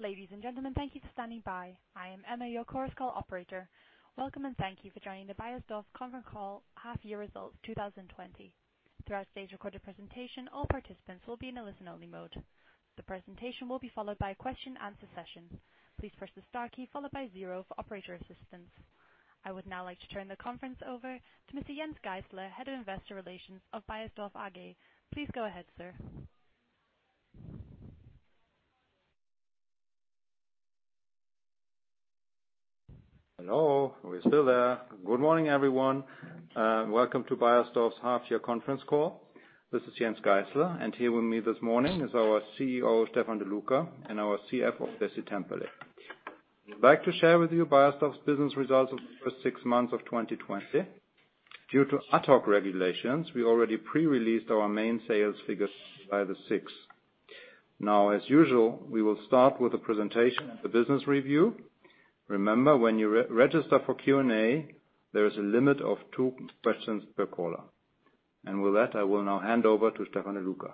Ladies and gentlemen, thank you for standing by. I am Emma, your Chorus Call operator. Welcome and thank you for joining the Beiersdorf Conference Call half-year results 2020. Throughout today's recorded presentation, all participants will be in a listen-only mode. The presentation will be followed by a question-and-answer session. Please press the star key followed by zero for operator assistance. I would now like to turn the conference over to Mr. Jens Geißler, Head of Investor Relations of Beiersdorf AG. Please go ahead, sir. Hello. We're still there. Good morning, everyone. Welcome to Beiersdorf's half-year conference call. This is Jens Geißler, and here with me this morning is our CEO, Stefan De Loecker, and our CFO, Dessi Temperley. I'd like to share with you Beiersdorf's business results of the first six months of 2020. Due to ad hoc regulations, we already pre-released our main sales figures by the 6th. Now, as usual, we will start with a presentation and a business review. Remember, when you re-register for Q&A, there is a limit of two questions per caller. And with that, I will now hand over to Stefan De Loecker.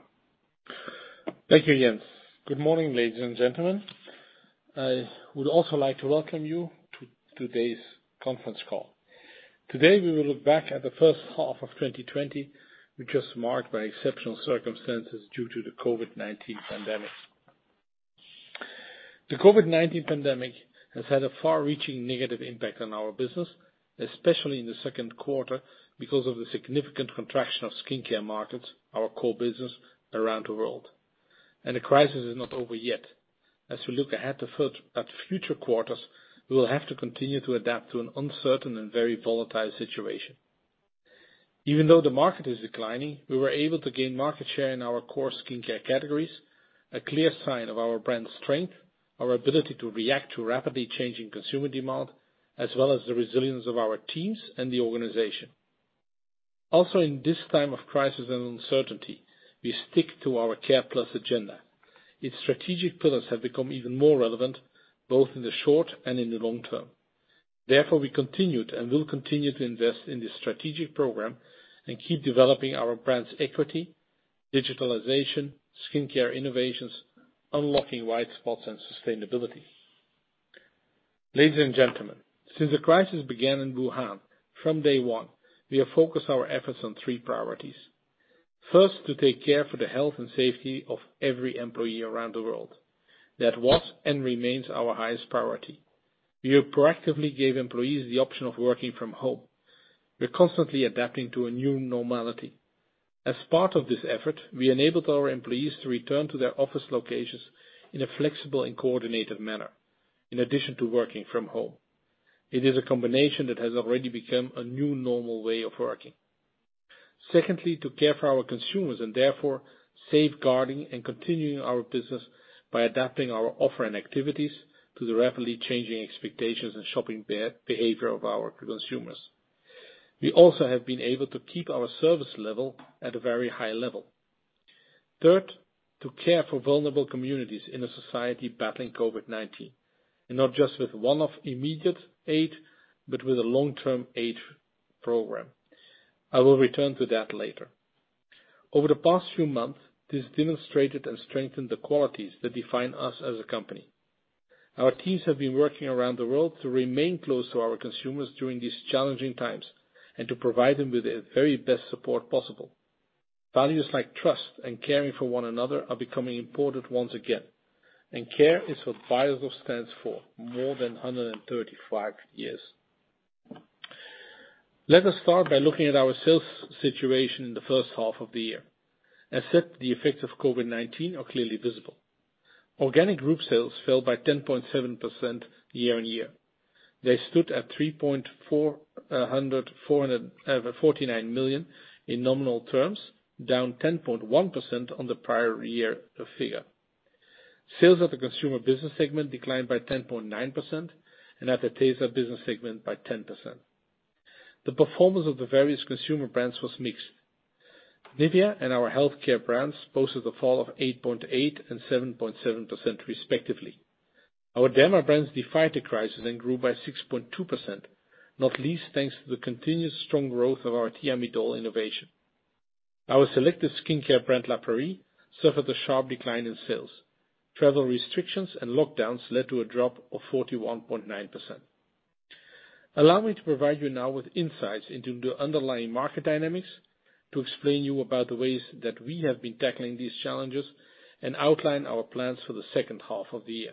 Thank you, Jens. Good morning, ladies and gentlemen. I would also like to welcome you to today's conference call. Today, we will look back at the first half of 2020, which was marked by exceptional circumstances due to the COVID-19 pandemic. The COVID-19 pandemic has had a far-reaching negative impact on our business, especially in the second quarter because of the significant contraction of skincare markets, our core business, around the world, and the crisis is not over yet. As we look ahead to the future quarters, we will have to continue to adapt to an uncertain and very volatile situation. Even though the market is declining, we were able to gain market share in our core skincare categories, a clear sign of our brand's strength, our ability to react to rapidly changing consumer demand, as well as the resilience of our teams and the organization. Also, in this time of crisis and uncertainty, we stick to our Care Plus agenda. Its strategic pillars have become even more relevant, both in the short and in the long term. Therefore, we continued and will continue to invest in this strategic program and keep developing our brand's equity, digitalization, skincare innovations, unlocking white spots, and sustainability. Ladies and gentlemen, since the crisis began in Wuhan, from day one, we have focused our efforts on three priorities. First, to take care for the health and safety of every employee around the world. That was and remains our highest priority. We have proactively given employees the option of working from home. We're constantly adapting to a new normality. As part of this effort, we enabled our employees to return to their office locations in a flexible and coordinated manner, in addition to working from home. It is a combination that has already become a new normal way of working. Secondly, to care for our consumers and therefore safeguarding and continuing our business by adapting our offer and activities to the rapidly changing expectations and shopping behavior of our consumers. We also have been able to keep our service level at a very high level. Third, to care for vulnerable communities in a society battling COVID-19, and not just with one-off immediate aid, but with a long-term aid program. I will return to that later. Over the past few months, this demonstrated and strengthened the qualities that define us as a company. Our teams have been working around the world to remain close to our consumers during these challenging times and to provide them with the very best support possible. Values like trust and caring for one another are becoming important once again. Care is what Beiersdorf stands for more than 135 years. Let us start by looking at our sales situation in the first half of the year. As said, the effects of COVID-19 are clearly visible. Organic group sales fell by 10.7% year on year. They stood at 3,449 million in nominal terms, down 10.1% on the prior year figure. Sales at the consumer business segment declined by 10.9% and at the Tesa business segment by 10%. The performance of the various consumer brands was mixed. Nivea and our healthcare brands posted a fall of 8.8% and 7.7% respectively. Our derma brands defied the crisis and grew by 6.2%, not least thanks to the continued strong growth of our Thiamidol innovation. Our selective skincare brand, La Prairie, suffered a sharp decline in sales. Travel restrictions and lockdowns led to a drop of 41.9%. Allow me to provide you now with insights into the underlying market dynamics, to explain to you about the ways that we have been tackling these challenges, and outline our plans for the second half of the year,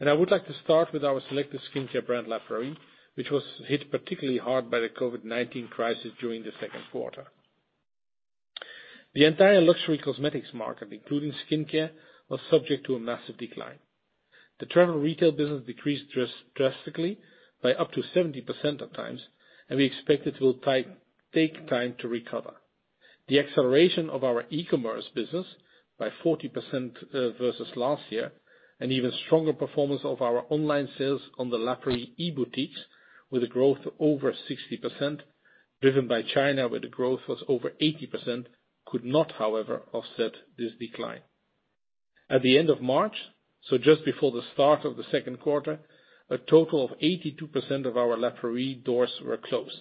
and I would like to start with our selective skincare brand, La Prairie, which was hit particularly hard by the COVID-19 crisis during the second quarter. The entire luxury cosmetics market, including skincare, was subject to a massive decline. The travel retail business decreased drastically by up to 70% at times, and we expect it will take time to recover. The acceleration of our e-commerce business by 40% versus last year, and even stronger performance of our online sales on the La Prairie e-boutiques, with a growth of over 60%, driven by China, where the growth was over 80%, could not, however, offset this decline. At the end of March, so just before the start of the second quarter, a total of 82% of our La Prairie doors were closed.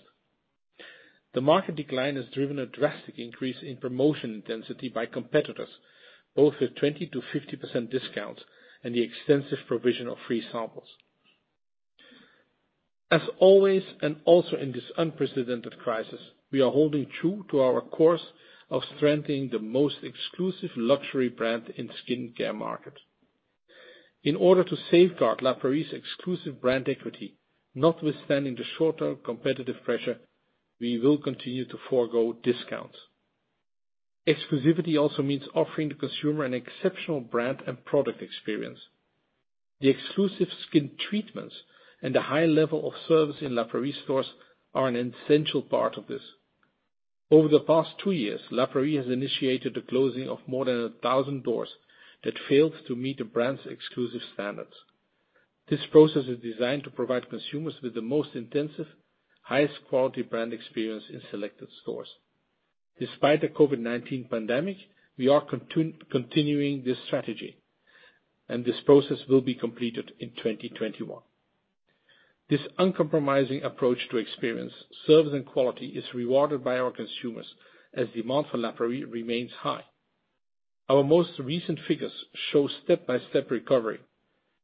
The market decline has driven a drastic increase in promotion intensity by competitors, both with 20%-50% discounts and the extensive provision of free samples. As always, and also in this unprecedented crisis, we are holding true to our course of strengthening the most exclusive luxury brand in the skincare market. In order to safeguard La Prairie's exclusive brand equity, notwithstanding the stronger competitive pressure, we will continue to forgo discounts. Exclusivity also means offering the consumer an exceptional brand and product experience. The exclusive skin treatments and the high level of service in La Prairie stores are an essential part of this. Over the past two years, La Prairie has initiated the closing of more than 1,000 doors that failed to meet the brand's exclusive standards. This process is designed to provide consumers with the most intensive, highest-quality brand experience in selected stores. Despite the COVID-19 pandemic, we are continuing this strategy, and this process will be completed in 2021. This uncompromising approach to experience, service, and quality is rewarded by our consumers as demand for La Prairie remains high. Our most recent figures show step-by-step recovery.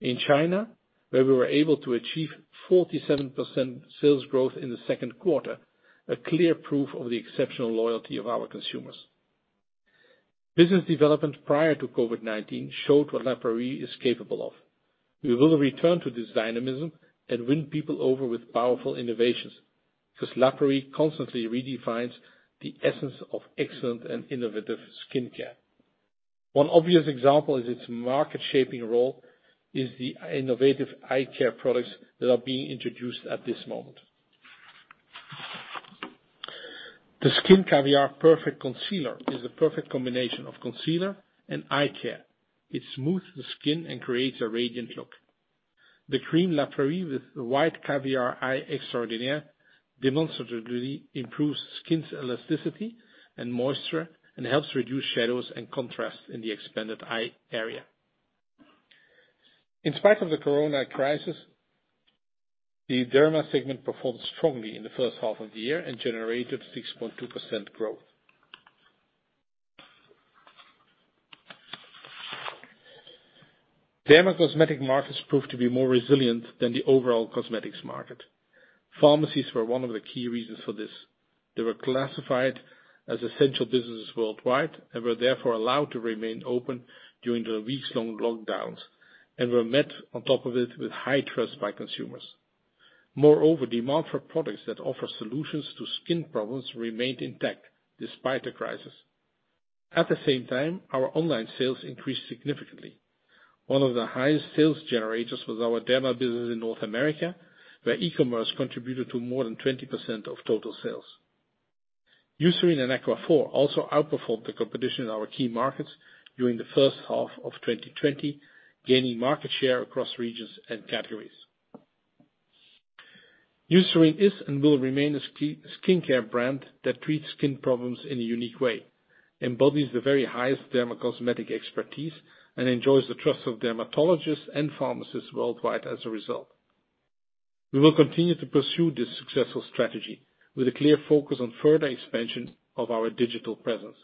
In China, where we were able to achieve 47% sales growth in the second quarter, a clear proof of the exceptional loyalty of our consumers. Business development prior to COVID-19 showed what La Prairie is capable of. We will return to this dynamism and win people over with powerful innovations because La Prairie constantly redefines the essence of excellent and innovative skincare. One obvious example of its market-shaping role is the innovative eye care products that are being introduced at this moment. The Skin Caviar Perfect Concealer is the perfect combination of concealer and eye care. It smooths the skin and creates a radiant look. The Cream La Prairie with the White Caviar Eye Extraordinaire demonstrably improves skin's elasticity and moisture and helps reduce shadows and contrast in the expanded eye area. In spite of the corona crisis, the derma segment performed strongly in the first half of the year and generated 6.2% growth. Derma cosmetic markets proved to be more resilient than the overall cosmetics market. Pharmacies were one of the key reasons for this. They were classified as essential businesses worldwide and were therefore allowed to remain open during the weeks-long lockdowns and were met, on top of it, with high trust by consumers. Moreover, demand for products that offer solutions to skin problems remained intact despite the crisis. At the same time, our online sales increased significantly. One of the highest sales generators was our derma business in North America, where e-commerce contributed to more than 20% of total sales. Eucerin and Aquaphor also outperformed the competition in our key markets during the first half of 2020, gaining market share across regions and categories. Eucerin is and will remain a skincare brand that treats skin problems in a unique way, embodies the very highest derma cosmetic expertise, and enjoys the trust of dermatologists and pharmacists worldwide as a result. We will continue to pursue this successful strategy with a clear focus on further expansion of our digital presence.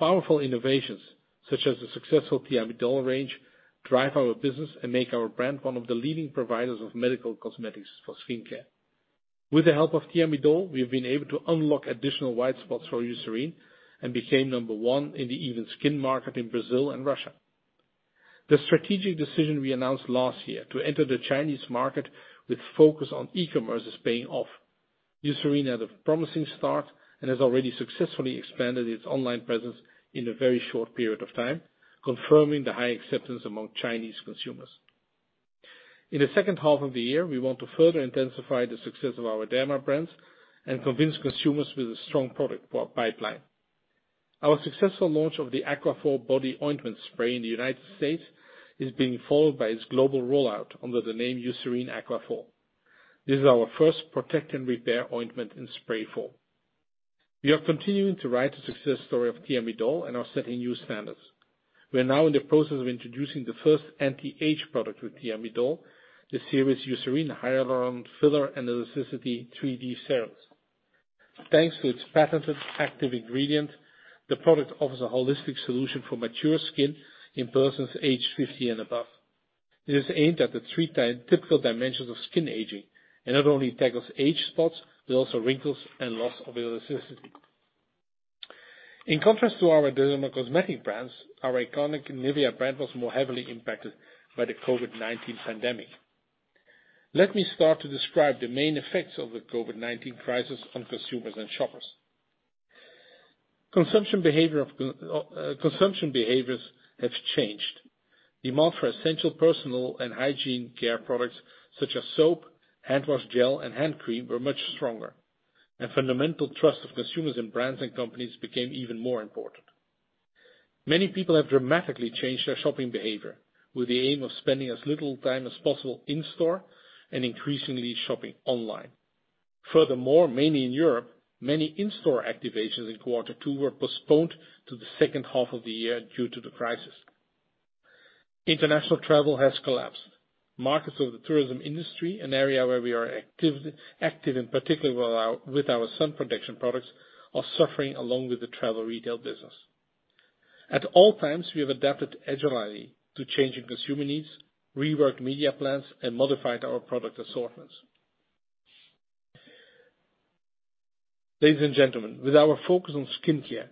Powerful innovations, such as the successful Thiamidol range, drive our business and make our brand one of the leading providers of medical cosmetics for skincare. With the help of Thiamidol, we have been able to unlock additional white spaces for Eucerin and became number one in the even skin market in Brazil and Russia. The strategic decision we announced last year to enter the Chinese market with focus on e-commerce is paying off. Eucerin had a promising start and has already successfully expanded its online presence in a very short period of time, confirming the high acceptance among Chinese consumers. In the second half of the year, we want to further intensify the success of our derma brands and convince consumers with a strong product pipeline. Our successful launch of the Aquaphor Body Ointment Spray in the United States is being followed by its global rollout under the name Eucerin Aquaphor. This is our first protect and repair ointment in spray form. We are continuing to write the success story of Thiamidol and are setting new standards. We are now in the process of introducing the first anti-age product with Thiamidol, the series Eucerin Hyaluron-Filler + Elasticity 3D Serum. Thanks to its patented active ingredient, the product offers a holistic solution for mature skin in persons aged 50 and above. This is aimed at the three typical dimensions of skin aging and not only tackles age spots, but also wrinkles and loss of elasticity. In contrast to our derma cosmetic brands, our iconic Nivea brand was more heavily impacted by the COVID-19 pandemic. Let me start to describe the main effects of the COVID-19 crisis on consumers and shoppers. Consumption behaviors have changed. Demand for essential personal and hygiene care products such as soap, handwash gel, and hand cream were much stronger, and fundamental trust of consumers in brands and companies became even more important. Many people have dramatically changed their shopping behavior, with the aim of spending as little time as possible in-store and increasingly shopping online. Furthermore, mainly in Europe, many in-store activations in quarter two were postponed to the second half of the year due to the crisis. International travel has collapsed. Markets of the tourism industry, an area where we are active and particularly with our sun protection products, are suffering along with the travel retail business. At all times, we have adapted agilely to changing consumer needs, reworked media plans, and modified our product assortments. Ladies and gentlemen, with our focus on skincare,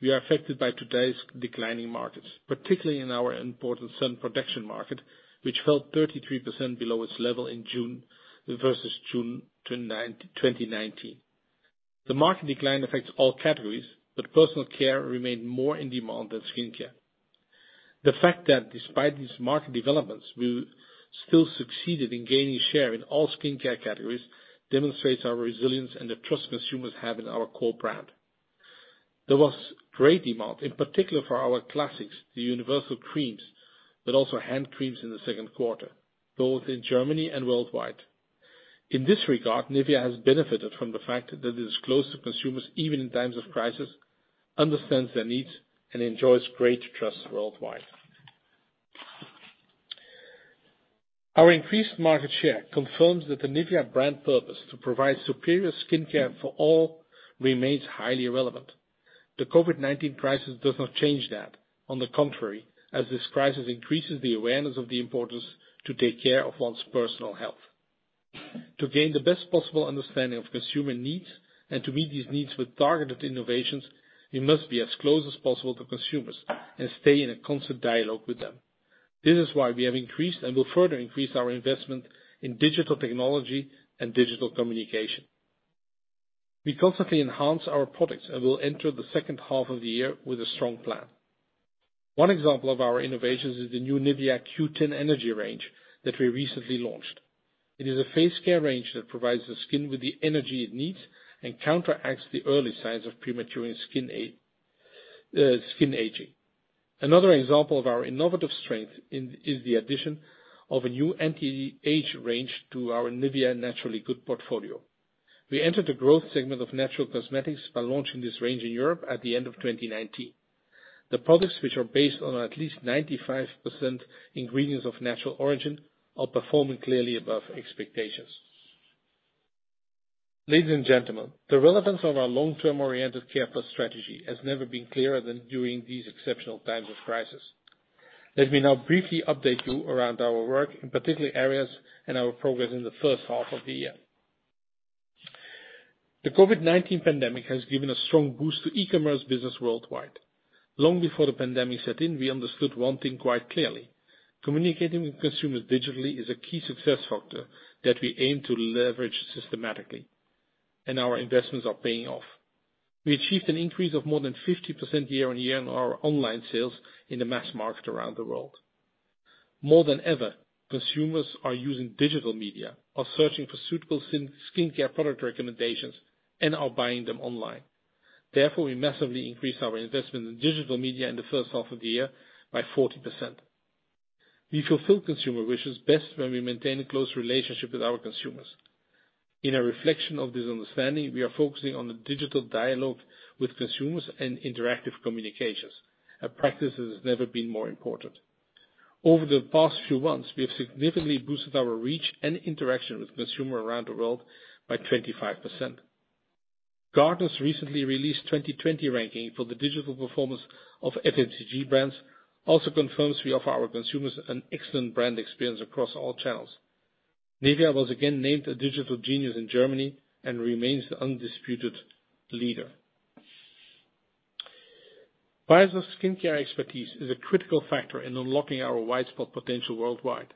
we are affected by today's declining markets, particularly in our important sun protection market, which fell 33% below its level in June versus June 2019. The market decline affects all categories, but personal care remained more in demand than skincare. The fact that despite these market developments, we still succeeded in gaining share in all skincare categories demonstrates our resilience and the trust consumers have in our core brand. There was great demand, in particular for our classics, the universal creams, but also hand creams in the second quarter, both in Germany and worldwide. In this regard, Nivea has benefited from the fact that it is close to consumers even in times of crisis, understands their needs, and enjoys great trust worldwide. Our increased market share confirms that the Nivea brand purpose to provide superior skincare for all remains highly relevant. The COVID-19 crisis does not change that. On the contrary, as this crisis increases the awareness of the importance to take care of one's personal health. To gain the best possible understanding of consumer needs and to meet these needs with targeted innovations, we must be as close as possible to consumers and stay in a constant dialogue with them. This is why we have increased and will further increase our investment in digital technology and digital communication. We constantly enhance our products and will enter the second half of the year with a strong plan. One example of our innovations is the new Nivea Q10 Energy range that we recently launched. It is a face care range that provides the skin with the energy it needs and counteracts the early signs of premature skin aging. Another example of our innovative strength is the addition of a new anti-age range to our NIVEA Naturally Good portfolio. We entered the growth segment of natural cosmetics by launching this range in Europe at the end of 2019. The products, which are based on at least 95% ingredients of natural origin, are performing clearly above expectations. Ladies and gentlemen, the relevance of our long-term oriented care plus strategy has never been clearer than during these exceptional times of crisis. Let me now briefly update you around our work in particular areas and our progress in the first half of the year. The COVID-19 pandemic has given a strong boost to e-commerce business worldwide. Long before the pandemic set in, we understood one thing quite clearly: communicating with consumers digitally is a key success factor that we aim to leverage systematically, and our investments are paying off. We achieved an increase of more than 50% year on year in our online sales in the mass market around the world. More than ever, consumers are using digital media, are searching for suitable skincare product recommendations, and are buying them online. Therefore, we massively increased our investment in digital media in the first half of the year by 40%. We fulfill consumer wishes best when we maintain a close relationship with our consumers. In a reflection of this understanding, we are focusing on a digital dialogue with consumers and interactive communications, a practice that has never been more important. Over the past few months, we have significantly boosted our reach and interaction with consumers around the world by 25%. Gartner's recently released 2020 ranking for the digital performance of FMCG brands also confirms we offer our consumers an excellent brand experience across all channels. Nivea was again named a digital genius in Germany and remains the undisputed leader. Beiersdorf's skincare expertise is a critical factor in unlocking our white space potential worldwide.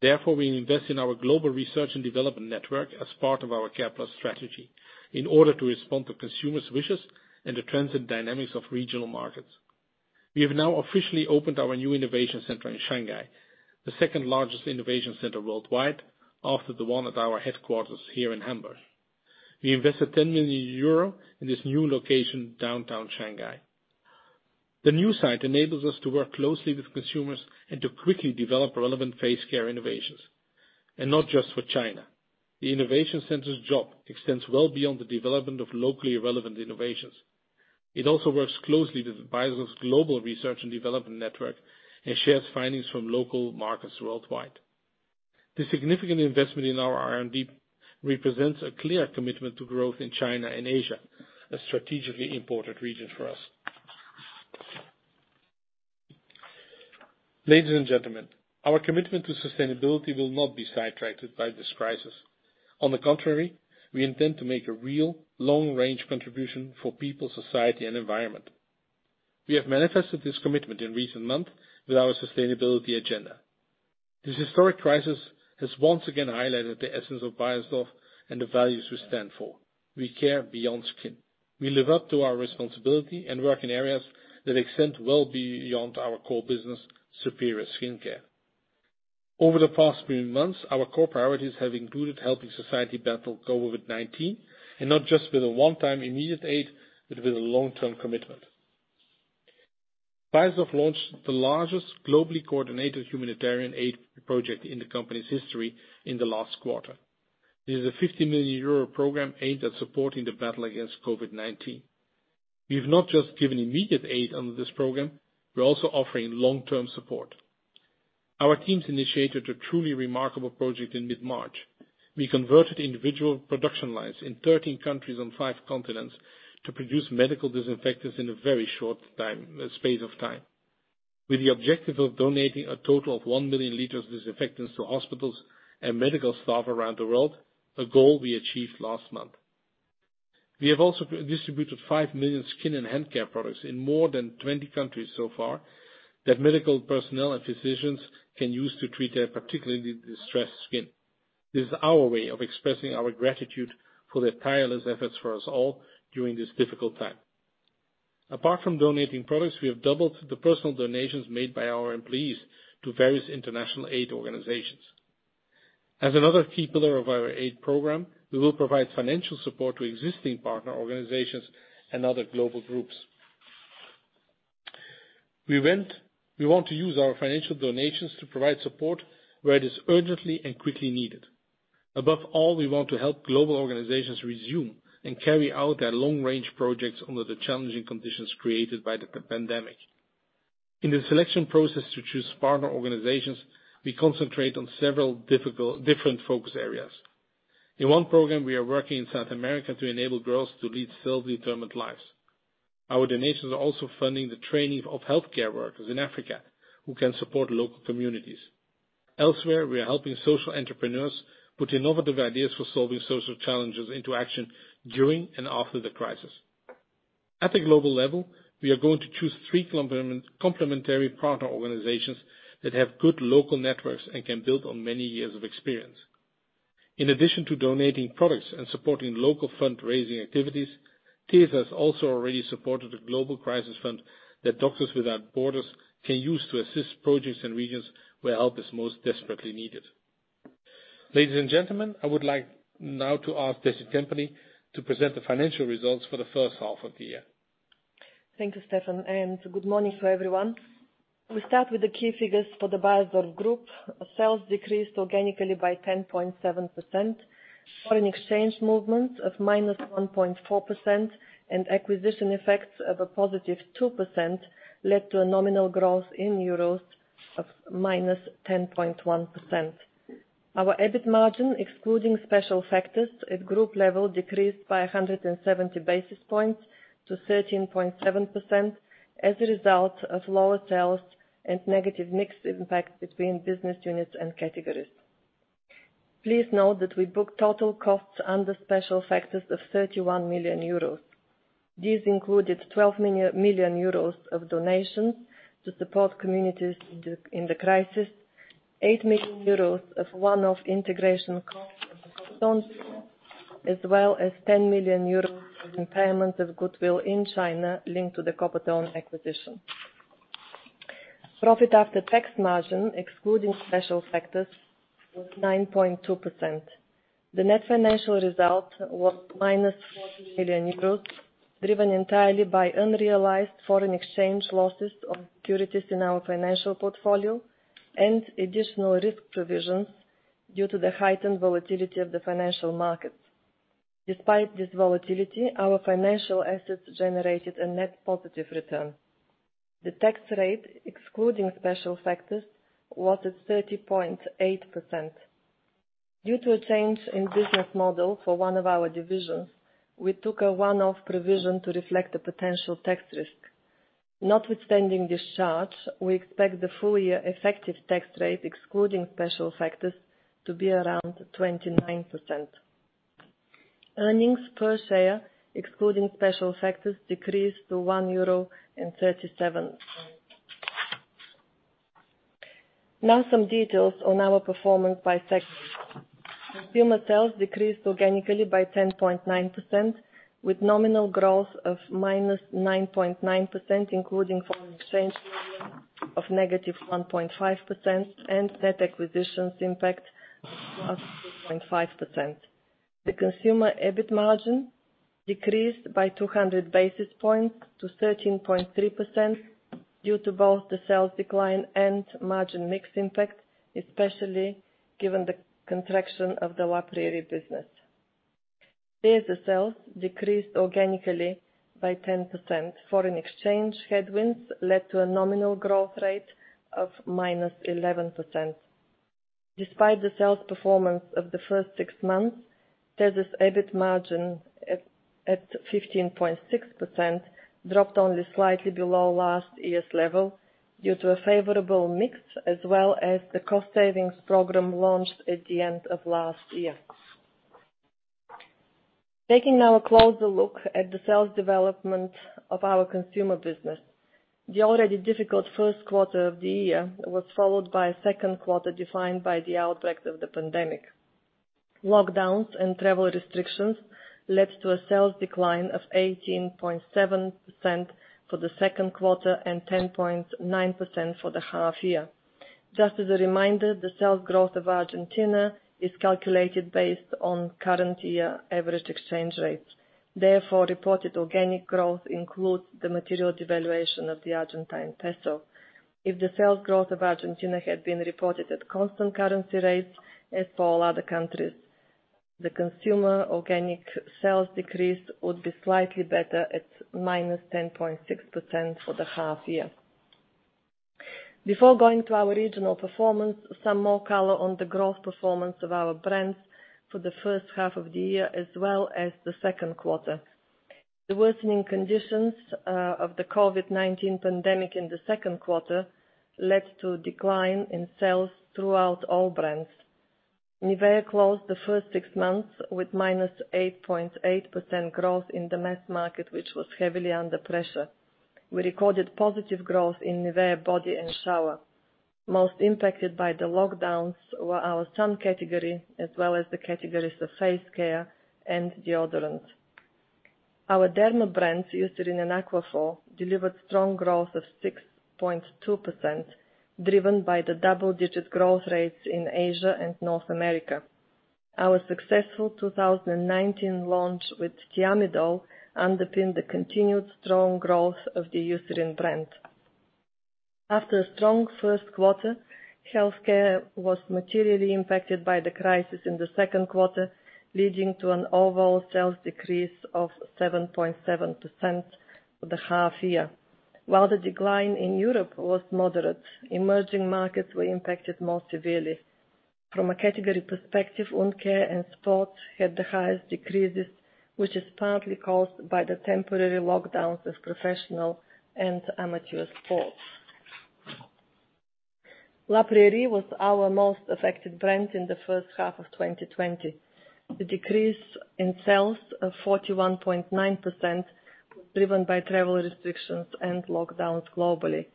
Therefore, we invest in our global research and development network as part of our C.A.R.E.+ strategy in order to respond to consumers' wishes and the trends and dynamics of regional markets. We have now officially opened our new innovation center in Shanghai, the second largest innovation center worldwide after the one at our headquarters here in Hamburg. We invested 10 million euro in this new location downtown Shanghai. The new site enables us to work closely with consumers and to quickly develop relevant face care innovations. And not just for China. The innovation center's job extends well beyond the development of locally relevant innovations. It also works closely with Beiersdorf's global research and development network and shares findings from local markets worldwide. This significant investment in our R&D represents a clear commitment to growth in China and Asia, a strategically important region for us. Ladies and gentlemen, our commitment to sustainability will not be sidetracked by this crisis. On the contrary, we intend to make a real, long-range contribution for people, society, and environment. We have manifested this commitment in recent months with our sustainability agenda. This historic crisis has once again highlighted the essence of Beiersdorf and the values we stand for. We care beyond skin. We live up to our responsibility and work in areas that extend well beyond our core business, superior skincare. Over the past three months, our core priorities have included helping society battle COVID-19, and not just with a one-time immediate aid, but with a long-term commitment. Beiersdorf launched the largest globally coordinated humanitarian aid project in the company's history in the last quarter. This is a 50 million euro program aimed at supporting the battle against COVID-19. We have not just given immediate aid under this program. We're also offering long-term support. Our teams initiated a truly remarkable project in mid-March. We converted individual production lines in 13 countries on five continents to produce medical disinfectants in a very short space of time, with the objective of donating a total of one million liters of disinfectants to hospitals and medical staff around the world, a goal we achieved last month. We have also distributed five million skin and hand care products in more than 20 countries so far that medical personnel and physicians can use to treat their particularly distressed skin. This is our way of expressing our gratitude for their tireless efforts for us all during this difficult time. Apart from donating products, we have doubled the personal donations made by our employees to various international aid organizations. As another key pillar of our aid program, we will provide financial support to existing partner organizations and other global groups. We want to use our financial donations to provide support where it is urgently and quickly needed. Above all, we want to help global organizations resume and carry out their long-range projects under the challenging conditions created by the pandemic. In the selection process to choose partner organizations, we concentrate on several different focus areas. In one program, we are working in South America to enable girls to lead self-determined lives. Our donations are also funding the training of healthcare workers in Africa who can support local communities. Elsewhere, we are helping social entrepreneurs put innovative ideas for solving social challenges into action during and after the crisis. At the global level, we are going to choose three complementary partner organizations that have good local networks and can build on many years of experience. In addition to donating products and supporting local fundraising activities, Tesa has also already supported a global crisis fund that Doctors Without Borders can use to assist projects and regions where help is most desperately needed. Ladies and gentlemen, I would like now to ask Dessi Temperley to present the financial results for the first half of the year. Thank you, Stefan, and good morning to everyone. We start with the key figures for the Beiersdorf group. Sales decreased organically by 10.7%. Foreign exchange movements of minus 1.4% and acquisition effects of a positive 2% led to a nominal growth in euros of minus 10.1%. Our EBIT margin, excluding special factors at group level, decreased by 170 basis points to 13.7% as a result of lower sales and negative mix impact between business units and categories. Please note that we booked total costs under special factors of 31 million euros. These included 12 million euros of donations to support communities in the crisis, 8 million euros of one-off integration costs of the Coppertone, as well as 10 million euros of impairments of goodwill in China linked to the Coppertone acquisition. Profit after tax margin, excluding special factors, was 9.2%. The net financial result was minus 40 million euros, driven entirely by unrealized foreign exchange losses on securities in our financial portfolio and additional risk provisions due to the heightened volatility of the financial markets. Despite this volatility, our financial assets generated a net positive return. The tax rate, excluding special factors, was at 30.8%. Due to a change in business model for one of our divisions, we took a one-off provision to reflect a potential tax risk. Notwithstanding this charge, we expect the full-year effective tax rate, excluding special factors, to be around 29%. Earnings per share, excluding special factors, decreased to 1.37 euro. Now some details on our performance by sectors. Consumer sales decreased organically by 10.9%, with nominal growth of minus 9.9%, including foreign exchange profit of negative 1.5%, and net acquisitions impact of plus 2.5%. The consumer EBIT margin decreased by 200 basis points to 13.3% due to both the sales decline and margin mix impact, especially given the contraction of the travel retail business. Beiersdorf sales decreased organically by 10%. Foreign exchange headwinds led to a nominal growth rate of minus 11%. Despite the sales performance of the first six months, Tesa's EBIT margin at 15.6% dropped only slightly below last year's level due to a favorable mix, as well as the cost savings program launched at the end of last year. Taking now a closer look at the sales development of our consumer business, the already difficult first quarter of the year was followed by a second quarter defined by the outbreak of the pandemic. Lockdowns and travel restrictions led to a sales decline of 18.7% for the second quarter and 10.9% for the half year. Just as a reminder, the sales growth of Argentina is calculated based on current year average exchange rates. Therefore, reported organic growth includes the material devaluation of the Argentine peso. If the sales growth of Argentina had been reported at constant currency rates, as for all other countries, the consumer organic sales decrease would be slightly better at minus 10.6% for the half year. Before going to our regional performance, some more color on the growth performance of our brands for the first half of the year, as well as the second quarter. The worsening conditions of the COVID-19 pandemic in the second quarter led to a decline in sales throughout all brands. Nivea closed the first six months with minus 8.8% growth in the mass market, which was heavily under pressure. We recorded positive growth in Nivea body and shower. Most impacted by the lockdowns were our sun category, as well as the categories of face care and deodorant. Our derma brand, Eucerin and Aquaphor, delivered strong growth of 6.2%, driven by the double-digit growth rates in Asia and North America. Our successful 2019 launch with Thiamidol underpinned the continued strong growth of the Eucerin brand. After a strong first quarter, healthcare was materially impacted by the crisis in the second quarter, leading to an overall sales decrease of 7.7% for the half year. While the decline in Europe was moderate, emerging markets were impacted more severely. From a category perspective, wound care and sports had the highest decreases, which is partly caused by the temporary lockdowns of professional and amateur sports. La Prairie was our most affected brand in the first half of 2020. The decrease in sales of 41.9% was driven by travel restrictions and lockdowns globally.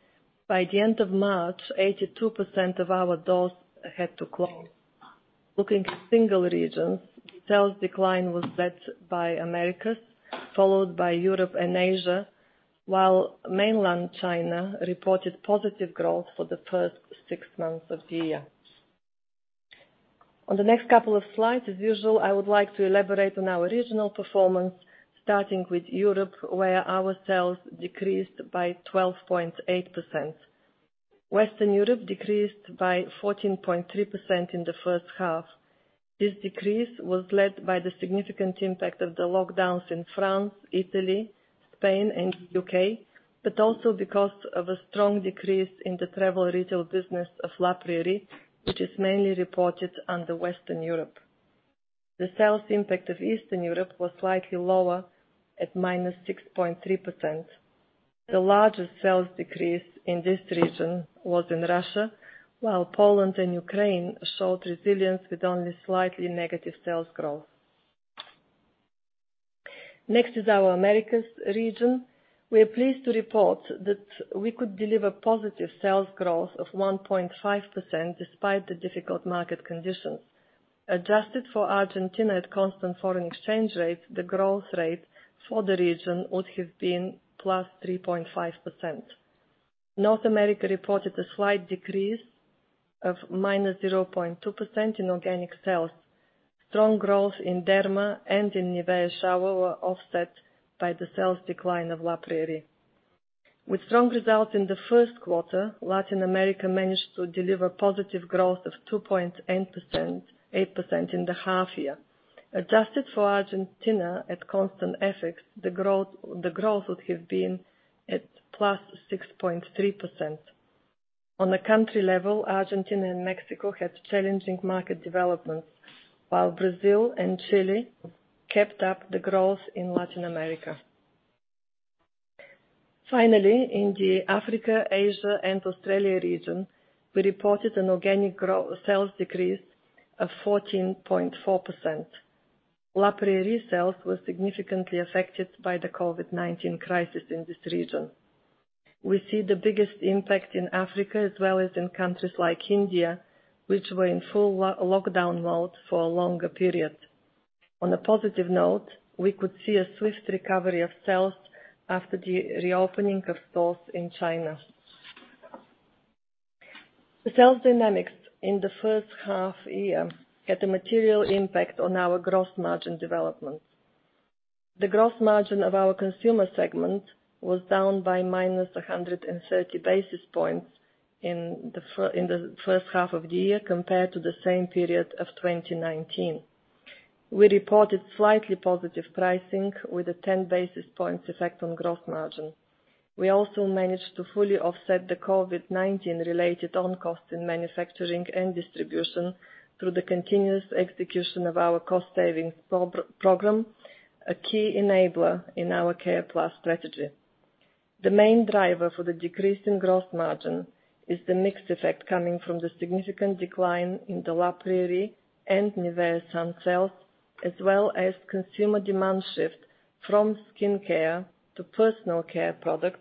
By the end of March, 82% of our doors had to close. Looking at single regions, the sales decline was led by Americas, followed by Europe and Asia, while mainland China reported positive growth for the first six months of the year. On the next couple of slides, as usual, I would like to elaborate on our regional performance, starting with Europe, where our sales decreased by 12.8%. Western Europe decreased by 14.3% in the first half. This decrease was led by the significant impact of the lockdowns in France, Italy, Spain, and the UK, but also because of a strong decrease in the travel retail business of La Prairie, which is mainly reported under Western Europe. The sales impact of Eastern Europe was slightly lower at minus 6.3%. The largest sales decrease in this region was in Russia, while Poland and Ukraine showed resilience with only slightly negative sales growth. Next is our Americas region. We are pleased to report that we could deliver positive sales growth of 1.5% despite the difficult market conditions. Adjusted for Argentina at constant foreign exchange rates, the growth rate for the region would have been plus 3.5%. North America reported a slight decrease of minus 0.2% in organic sales. Strong growth in derma and in Nivea shower were offset by the sales decline of La Prairie. With strong results in the first quarter, Latin America managed to deliver positive growth of 2.8% in the half year. Adjusted for Argentina at constant effects, the growth would have been at plus 6.3%. On a country level, Argentina and Mexico had challenging market developments, while Brazil and Chile kept up the growth in Latin America. Finally, in the Africa, Asia, and Australia region, we reported an organic sales decrease of 14.4%. La Prairie sales were significantly affected by the COVID-19 crisis in this region. We see the biggest impact in Africa, as well as in countries like India, which were in full lockdown mode for a longer period. On a positive note, we could see a swift recovery of sales after the reopening of stores in China. The sales dynamics in the first half year had a material impact on our gross margin development. The gross margin of our consumer segment was down by minus 130 basis points in the first half of the year compared to the same period of 2019. We reported slightly positive pricing with a 10 basis points effect on gross margin. We also managed to fully offset the COVID-19-related on-cost in manufacturing and distribution through the continuous execution of our cost savings program, a key enabler in our C.A.R.E.+ strategy. The main driver for the decrease in gross margin is the mix effect coming from the significant decline in the La Prairie and NIVEA sun sales, as well as consumer demand shift from skincare to personal care products,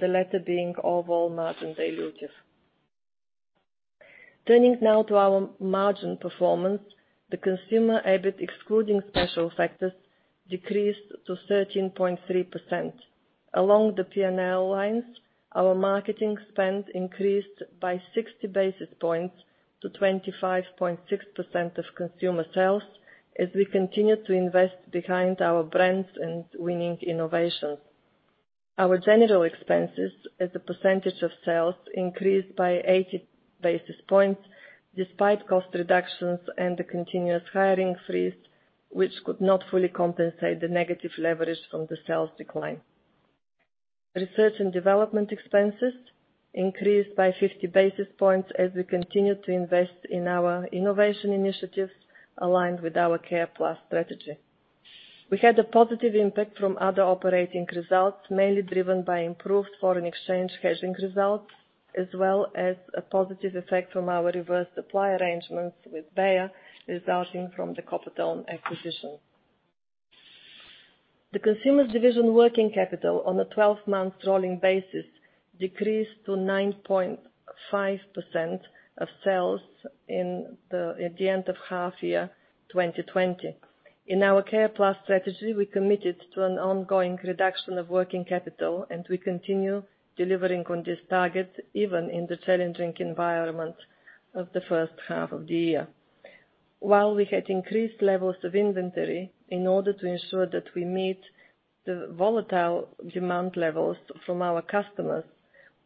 the latter being overall margin dilutive. Turning now to our margin performance, the consumer EBIT, excluding special factors, decreased to 13.3%. Along the P&L lines, our marketing spend increased by 60 basis points to 25.6% of consumer sales as we continue to invest behind our brands and winning innovations. Our general expenses, as a percentage of sales, increased by 80 basis points despite cost reductions and the continuous hiring freeze, which could not fully compensate the negative leverage from the sales decline. Research and development expenses increased by 50 basis points as we continued to invest in our innovation initiatives aligned with our CarePlus strategy. We had a positive impact from other operating results, mainly driven by improved foreign exchange hedging results, as well as a positive effect from our reverse supply arrangements with Bayer, resulting from the Coppertone acquisition. The Consumer Division's working capital on a 12-month rolling basis decreased to 9.5% of sales at the end of half year 2020. In our CarePlus strategy, we committed to an ongoing reduction of working capital, and we continue delivering on this target even in the challenging environment of the first half of the year. While we had increased levels of inventory in order to ensure that we meet the volatile demand levels from our customers,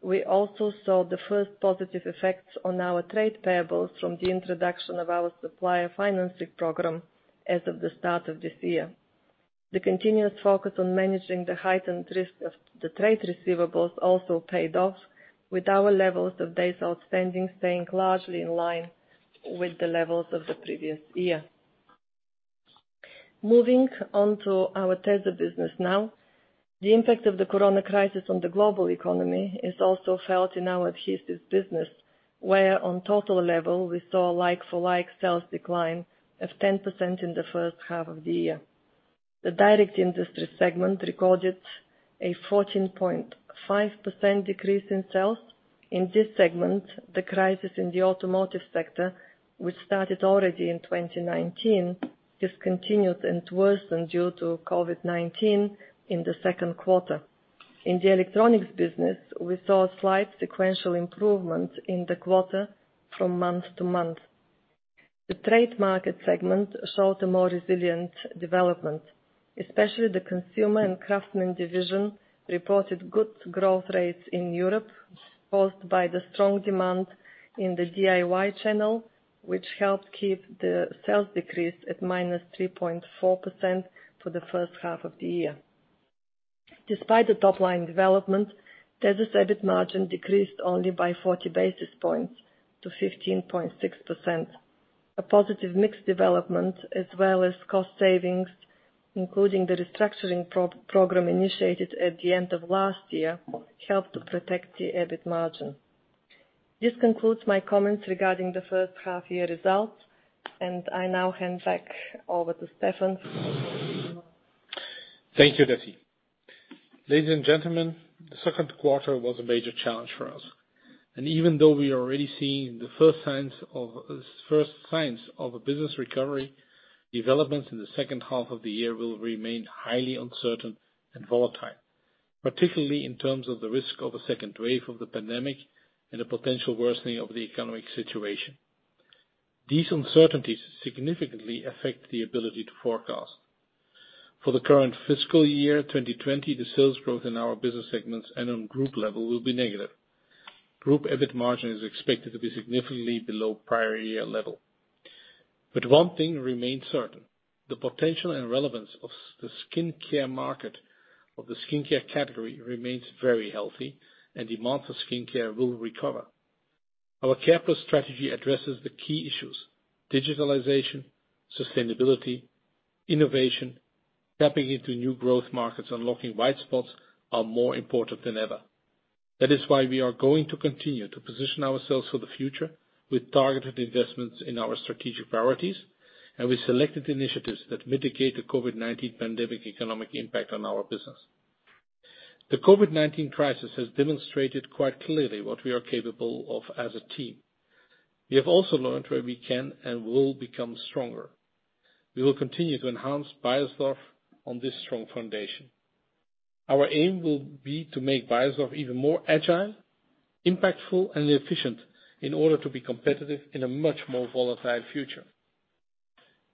we also saw the first positive effects on our trade payables from the introduction of our supplier financing program as of the start of this year. The continuous focus on managing the heightened risk of the trade receivables also paid off, with our levels of debt outstanding staying largely in line with the levels of the previous year. Moving on to our TS business now, the impact of the corona crisis on the global economy is also felt in our adhesive business, where on total level we saw like-for-like sales decline of 10% in the first half of the year. The direct industry segment recorded a 14.5% decrease in sales. In this segment, the crisis in the automotive sector, which started already in 2019, continued and worsened due to COVID-19 in the second quarter. In the electronics business, we saw a slight sequential improvement in the quarter from month to month. The trade market segment showed a more resilient development, especially the consumer and craftsman division reported good growth rates in Europe caused by the strong demand in the DIY channel, which helped keep the sales decrease at -3.4% for the first half of the year. Despite the top-line development, Tesa's EBIT margin decreased only by 40 basis points to 15.6%. A positive mixed development, as well as cost savings, including the restructuring program initiated at the end of last year, helped to protect the EBIT margin. This concludes my comments regarding the first half-year results, and I now hand back over to Stefan. Thank you, Dessi. Ladies and gentlemen, the second quarter was a major challenge for us, and even though we are already seeing the first signs of a business recovery, developments in the second half of the year will remain highly uncertain and volatile, particularly in terms of the risk of a second wave of the pandemic and a potential worsening of the economic situation. These uncertainties significantly affect the ability to forecast. For the current fiscal year 2020, the sales growth in our business segments and on group level will be negative. Group EBIT margin is expected to be significantly below prior year level, but one thing remains certain: the potential and relevance of the skincare market of the skincare category remains very healthy, and demand for skincare will recover. Our C.A.R.E.+ strategy addresses the key issues: digitalization, sustainability, innovation, tapping into new growth markets, and locking white spots are more important than ever. That is why we are going to continue to position ourselves for the future with targeted investments in our strategic priorities and with selected initiatives that mitigate the COVID-19 pandemic economic impact on our business. The COVID-19 crisis has demonstrated quite clearly what we are capable of as a team. We have also learned where we can and will become stronger. We will continue to enhance Beiersdorf's life on this strong foundation. Our aim will be to make Beiersdorf's life even more agile, impactful, and efficient in order to be competitive in a much more volatile future.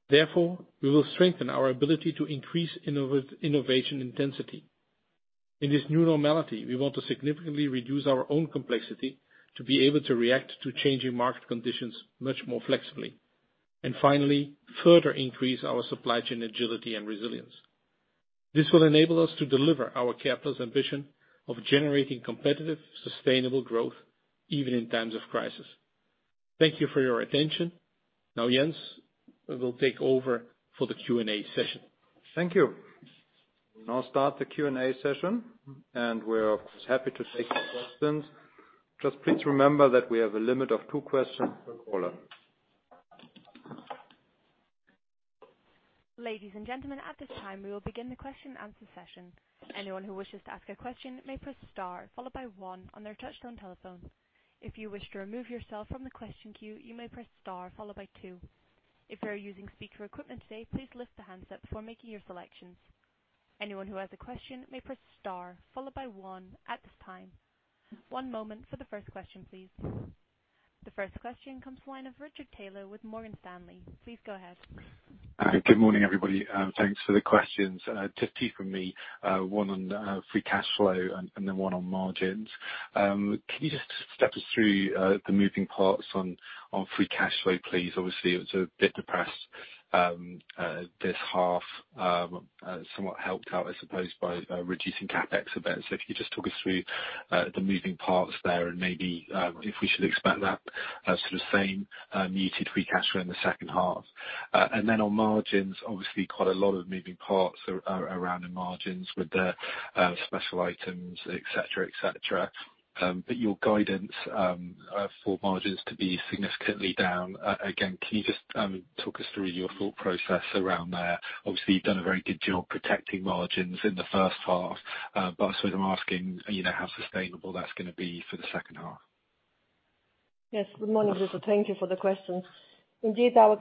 Therefore, we will strengthen our ability to increase innovation intensity. In this new normality, we want to significantly reduce our own complexity to be able to react to changing market conditions much more flexibly. And finally, further increase our supply chain agility and resilience. This will enable us to deliver our CarePlus ambition of generating competitive, sustainable growth even in times of crisis. Thank you for your attention. Now, Jens will take over for the Q&A session. Thank you. We'll now start the Q&A session, and we're happy to take questions. Just please remember that we have a limit of two questions per caller. Ladies and gentlemen, at this time, we will begin the question-and-answer session. Anyone who wishes to ask a question may press star followed by one on their touch-tone telephone. If you wish to remove yourself from the question queue, you may press star followed by two. If you're using speaker equipment today, please lift the handset before making your selections. Anyone who has a question may press star followed by one at this time. One moment for the first question, please. The first question comes from the line of Richard Taylor with Morgan Stanley. Please go ahead. Good morning, everybody. Thanks for the questions. Two from me, one on free cash flow and then one on margins. Can you just step us through the moving parts on free cash flow, please? Obviously, it was a bit depressed this half, somewhat helped out, I suppose, by reducing CapEx a bit. So if you could just talk us through the moving parts there and maybe if we should expect that sort of same muted free cash flow in the second half. And then, on margins, obviously, quite a lot of moving parts around in margins with the special items, etc., etc. But your guidance for margins to be significantly down. Again, can you just talk us through your thought process around there? Obviously, you've done a very good job protecting margins in the first half, but I suppose I'm asking how sustainable that's going to be for the second half. Yes. Good morning, Richard. Thank you for the question. Indeed, our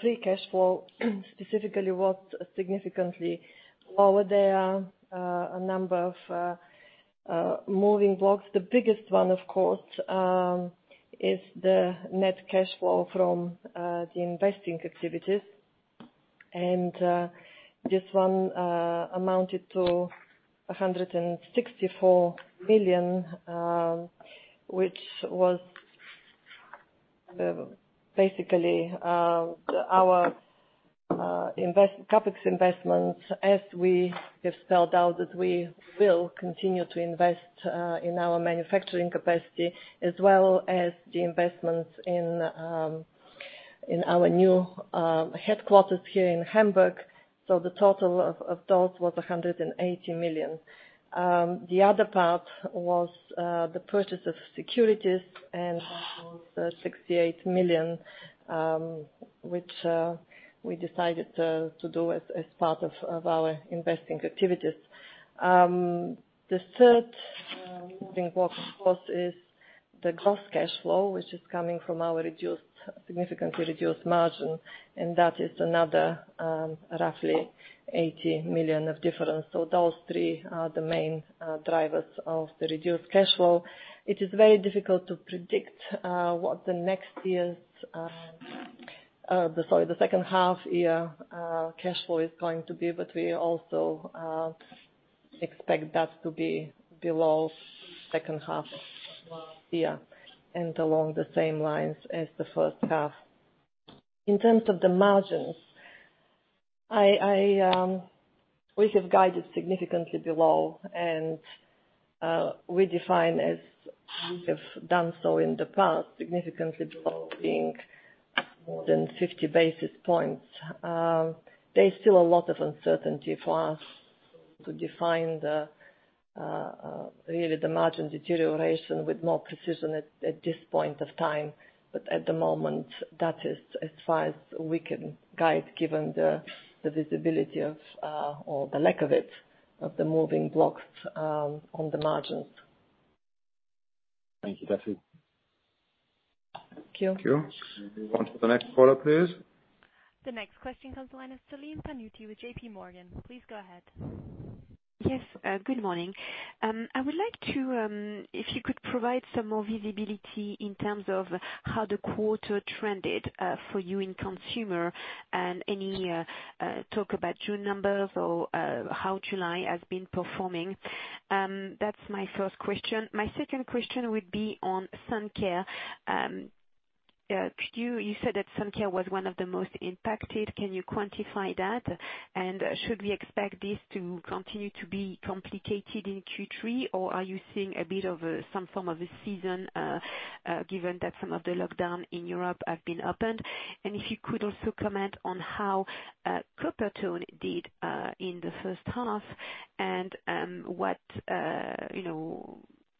free cash flow specifically was significantly lower. There are a number of moving parts. The biggest one, of course, is the net cash flow from the investing activities. And this one amounted to 164 million, which was basically our CapEx investments, as we have spelled out that we will continue to invest in our manufacturing capacity, as well as the investments in our new headquarters here in Hamburg. So the total of those was 180 million. The other part was the purchase of securities, and that was 68 million, which we decided to do as part of our investing activities. The third moving block, of course, is the gross cash flow, which is coming from our significantly reduced margin, and that is another roughly 80 million of difference. So those three are the main drivers of the reduced cash flow. It is very difficult to predict what the next year's, sorry, the second half year cash flow is going to be, but we also expect that to be below second half year and along the same lines as the first half. In terms of the margins, we have guided significantly below, and we define as we have done so in the past, significantly below being more than 50 basis points. There is still a lot of uncertainty for us to define really the margin deterioration with more precision at this point of time. But at the moment, that is as far as we can guide, given the visibility of, or the lack of it, of the moving blocks on the margins. Thank you, Dessi. Thank you. Thank you. Moving on to the next caller, please. The next question comes from the line of Celine Pannuti with J.P. Morgan. Please go ahead. Yes. Good morning. I would like to, if you could provide some more visibility in terms of how the quarter trended for you in consumer and any talk about June numbers or how July has been performing. That's my first question. My second question would be on sun care. You said that sun care was one of the most impacted. Can you quantify that? Should we expect this to continue to be complicated in Q3, or are you seeing a bit of some form of a season, given that some of the lockdowns in Europe have been opened? If you could also comment on how Coppertone did in the first half and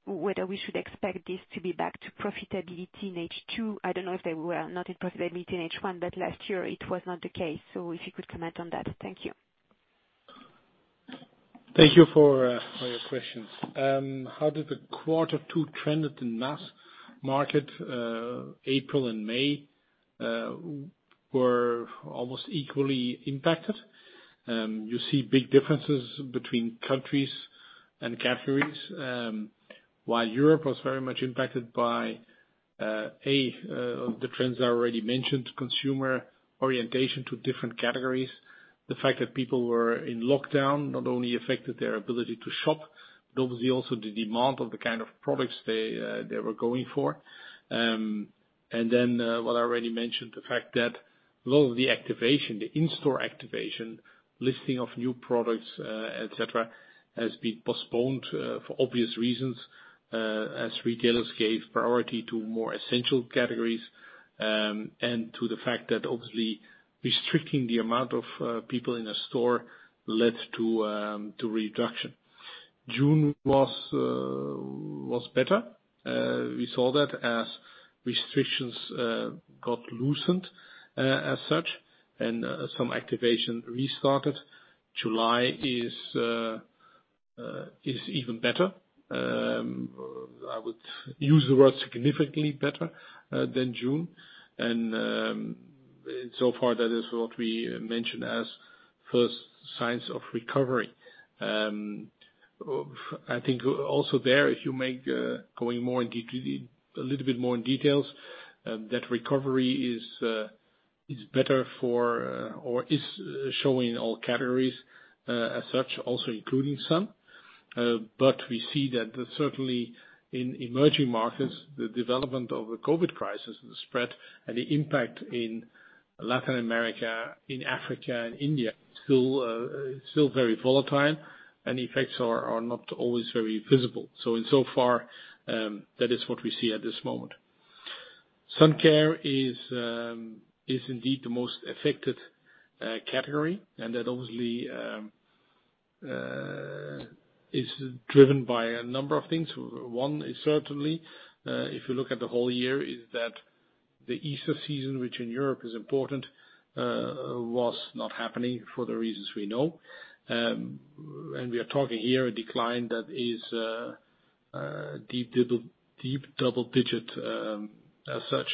whether we should expect this to be back to profitability in H2. I don't know if they were not in profitability in H1, but last year it was not the case. If you could comment on that. Thank you. Thank you for your questions. How did the quarter two trend in the mass market? April and May were almost equally impacted. You see big differences between countries and categories. While Europe was very much impacted by, A, the trends I already mentioned, consumer orientation to different categories. The fact that people were in lockdown not only affected their ability to shop, but obviously also the demand of the kind of products they were going for, and then what I already mentioned, the fact that a lot of the activation, the in-store activation, listing of new products, etc., has been postponed for obvious reasons, as retailers gave priority to more essential categories and to the fact that obviously restricting the amount of people in a store led to reduction. June was better. We saw that as restrictions got loosened as such and some activation restarted. July is even better. I would use the word significantly better than June, and so far, that is what we mentioned as first signs of recovery. I think also there, if you make going a little bit more in details, that recovery is better for or is showing in all categories as such, also including some. But we see that certainly in emerging markets, the development of the COVID-19 crisis, the spread, and the impact in Latin America, in Africa, and India is still very volatile, and the effects are not always very visible. So in so far, that is what we see at this moment. Sun care is indeed the most affected category, and that obviously is driven by a number of things. One is certainly, if you look at the whole year, is that the Easter season, which in Europe is important, was not happening for the reasons we know, and we are talking here a decline that is deep double-digit as such.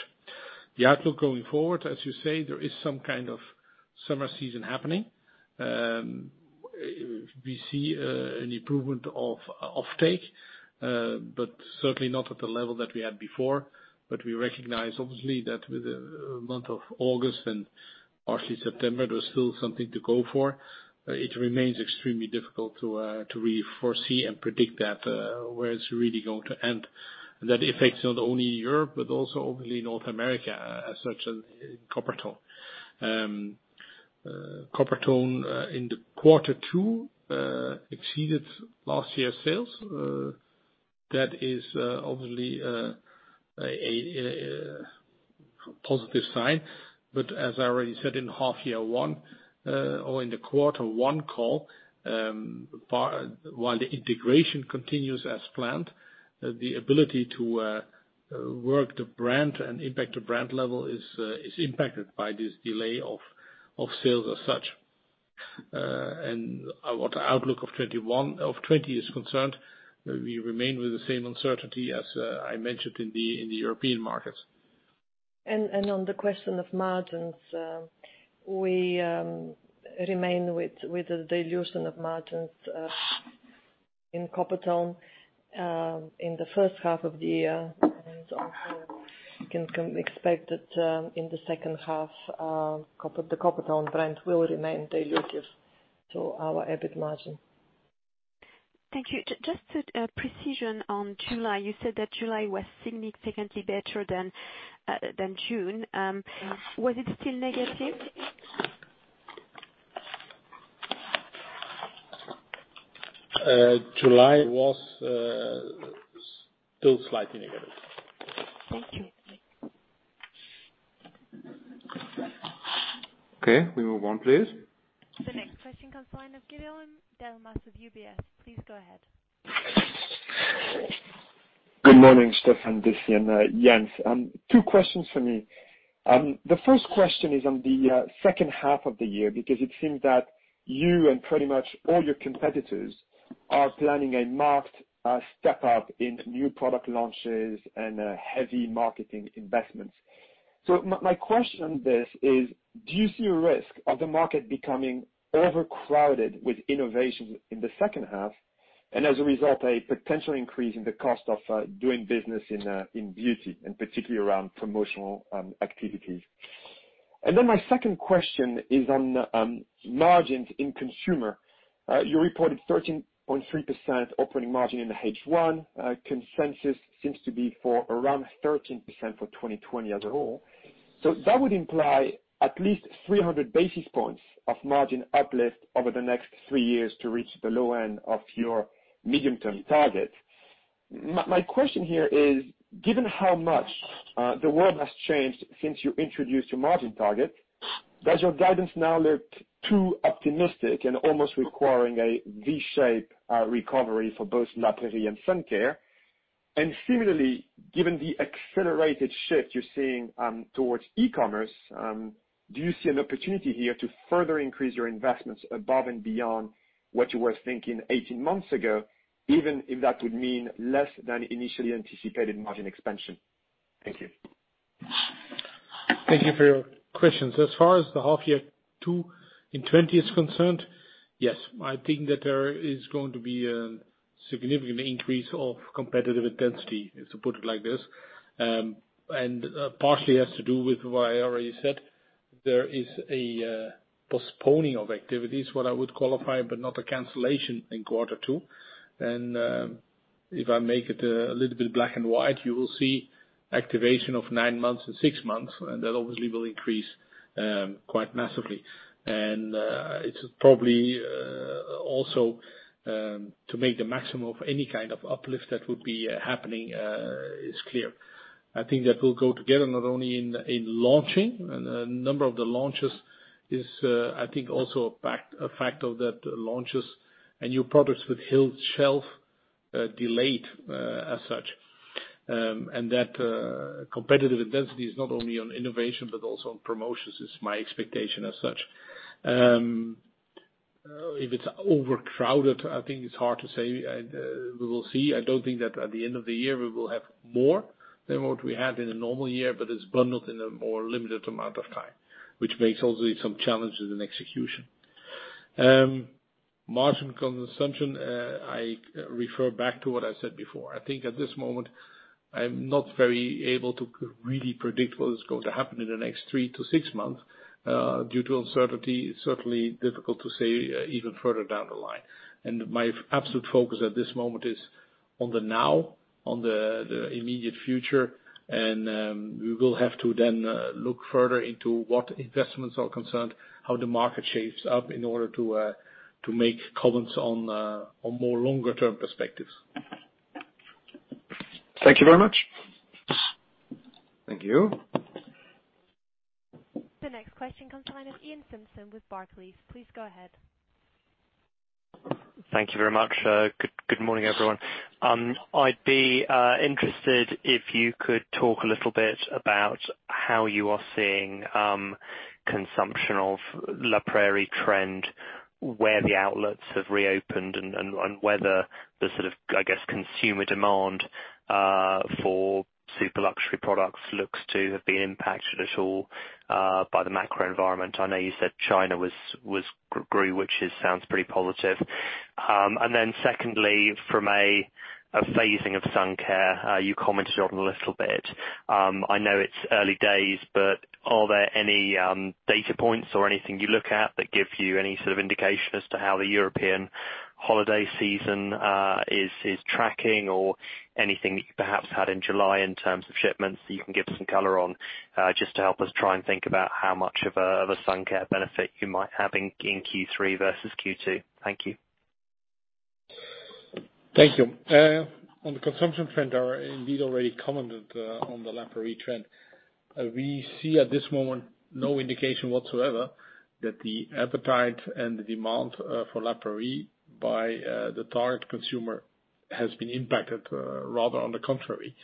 The outlook going forward, as you say, there is some kind of summer season happening. We see an improvement of offtake, but certainly not at the level that we had before. But we recognize obviously that with the month of August and partially September, there's still something to go for. It remains extremely difficult to really foresee and predict where it's really going to end. That affects not only Europe, but also obviously North America as such and Coppertone. Coppertone in the quarter two exceeded last year's sales. That is obviously a positive sign. But as I already said in half year one or in the quarter one call, while the integration continues as planned, the ability to work the brand and impact the brand level is impacted by this delay of sales as such. As for the outlook for 2021 or 2020, we remain with the same uncertainty as I mentioned in the European markets. And on the question of margins, we remain with the dilution of margins in Coppertone in the first half of the year. And we can expect that in the second half, the Coppertone brand will remain dilutive to our EBIT margin. Thank you. Just precision on July. You said that July was significantly better than June. Was it still negative? July was still slightly negative. Thank you. Okay. We move on, please. The next question comes from Guillaume Delmas with UBS. Please go ahead. Good morning, Stefan. This is Guillaume. Two questions for me. The first question is on the second half of the year because it seems that you and pretty much all your competitors are planning a marked step up in new product launches and heavy marketing investments. So my question on this is, do you see a risk of the market becoming overcrowded with innovations in the second half? And as a result, a potential increase in the cost of doing business in beauty, and particularly around promotional activities. And then my second question is on margins in consumer. You reported 13.3% operating margin in H1. Consensus seems to be for around 13% for 2020 as a whole. So that would imply at least 300 basis points of margin uplift over the next three years to reach the low end of your medium-term target. My question here is, given how much the world has changed since you introduced your margin target, does your guidance now look too optimistic and almost requiring a V-shape recovery for both La Prairie and Sun Care? And similarly, given the accelerated shift you're seeing towards e-commerce, do you see an opportunity here to further increase your investments above and beyond what you were thinking 18 months ago, even if that would mean less than initially anticipated margin expansion? Thank you. Thank you for your questions. As far as the half year two in 2020 is concerned, yes. I think that there is going to be a significant increase of competitive intensity, if you put it like this, and partially has to do with what I already said. There is a postponing of activities, what I would qualify, but not a cancellation in quarter two. And if I make it a little bit black and white, you will see activation of nine months and six months, and that obviously will increase quite massively. And it's probably also to make the maximum of any kind of uplift that would be happening is clear. I think that will go together not only in launching. A number of the launches is, I think, also a factor that launches and new products with high shelf delayed as such. And that competitive intensity is not only on innovation, but also on promotions, is my expectation as such. If it's overcrowded, I think it's hard to say. We will see. I don't think that at the end of the year we will have more than what we had in a normal year, but it's bundled in a more limited amount of time, which makes obviously some challenges in execution. Margin consumption, I refer back to what I said before. I think at this moment, I'm not very able to really predict what is going to happen in the next three to six months. Due to uncertainty, it's certainly difficult to say even further down the line, and my absolute focus at this moment is on the now, on the immediate future, and we will have to then look further into what investments are concerned, how the market shapes up in order to make comments on more longer-term perspectives. Thank you very much. Thank you. The next question comes from the line of Iain Simpson with Barclays. Please go ahead. Thank you very much. Good morning, everyone. I'd be interested if you could talk a little bit about how you are seeing consumption of La Prairie trend, where the outlets have reopened, and whether the sort of, I guess, consumer demand for super luxury products looks to have been impacted at all by the macro environment. I know you said China grew, which sounds pretty positive. And then secondly, from a phasing of sun care, you commented on a little bit. I know it's early days, but are there any data points or anything you look at that give you any sort of indication as to how the European holiday season is tracking or anything that you perhaps had in July in terms of shipments that you can give some color on just to help us try and think about how much of a sun care benefit you might have in Q3 versus Q2? Thank you. Thank you. On the consumption trend, I already commented on the La Prairie trend. We see at this moment no indication whatsoever that the appetite and the demand for La Prairie by the target consumer has been impacted, rather on the contrary.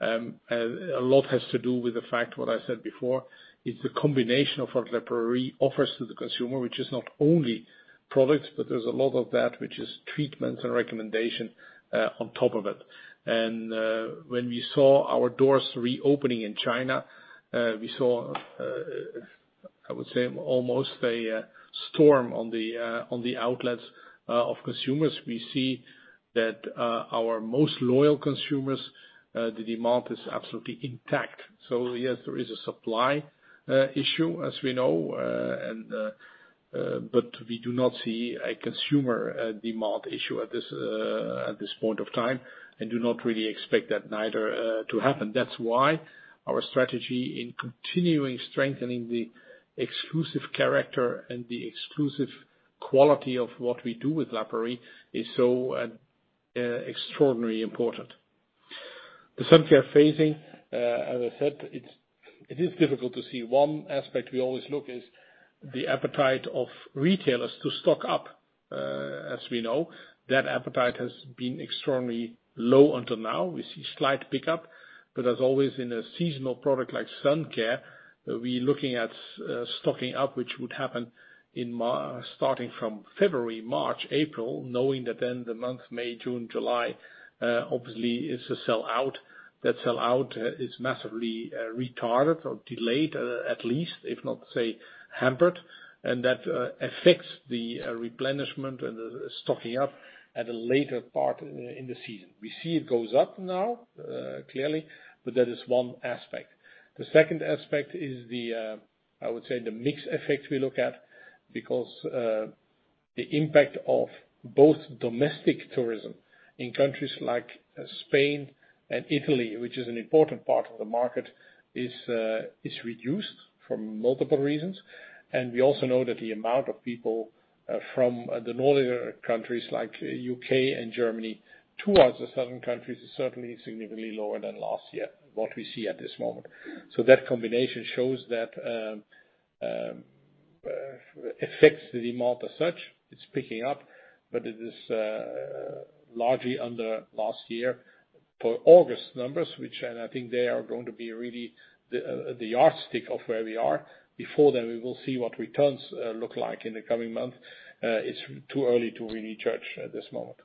A lot has to do with the fact, what I said before, is the combination of what La Prairie offers to the consumer, which is not only products, but there's a lot of that, which is treatments and recommendations on top of it. And when we saw our doors reopening in China, we saw, I would say, almost a storm on the outlets of consumers. We see that our most loyal consumers, the demand is absolutely intact. So yes, there is a supply issue, as we know, but we do not see a consumer demand issue at this point of time and do not really expect that neither to happen. That's why our strategy in continuing strengthening the exclusive character and the exclusive quality of what we do with La Prairie is so extraordinarily important. The sun care phasing, as I said, it is difficult to see. One aspect we always look at is the appetite of retailers to stock up, as we know. That appetite has been extraordinarily low until now. We see slight pickup, but as always in a seasonal product like sun care, we're looking at stocking up, which would happen starting from February, March, April, knowing that then the months May, June, July obviously is a sell-out. That sell-out is massively retarded or delayed, at least, if not, say, hampered. And that affects the replenishment and the stocking up at a later part in the season. We see it goes up now clearly, but that is one aspect. The second aspect is the, I would say, the mixed effect we look at because the impact of both domestic tourism in countries like Spain and Italy, which is an important part of the market, is reduced for multiple reasons. And we also know that the amount of people from the northern countries like the UK and Germany towards the southern countries is certainly significantly lower than last year, what we see at this moment. So that combination shows that it affects the demand as such. It's picking up, but it is largely under last year for August numbers, which I think they are going to be really the yardstick of where we are. Before then, we will see what returns look like in the coming months. It's too early to really judge at this moment.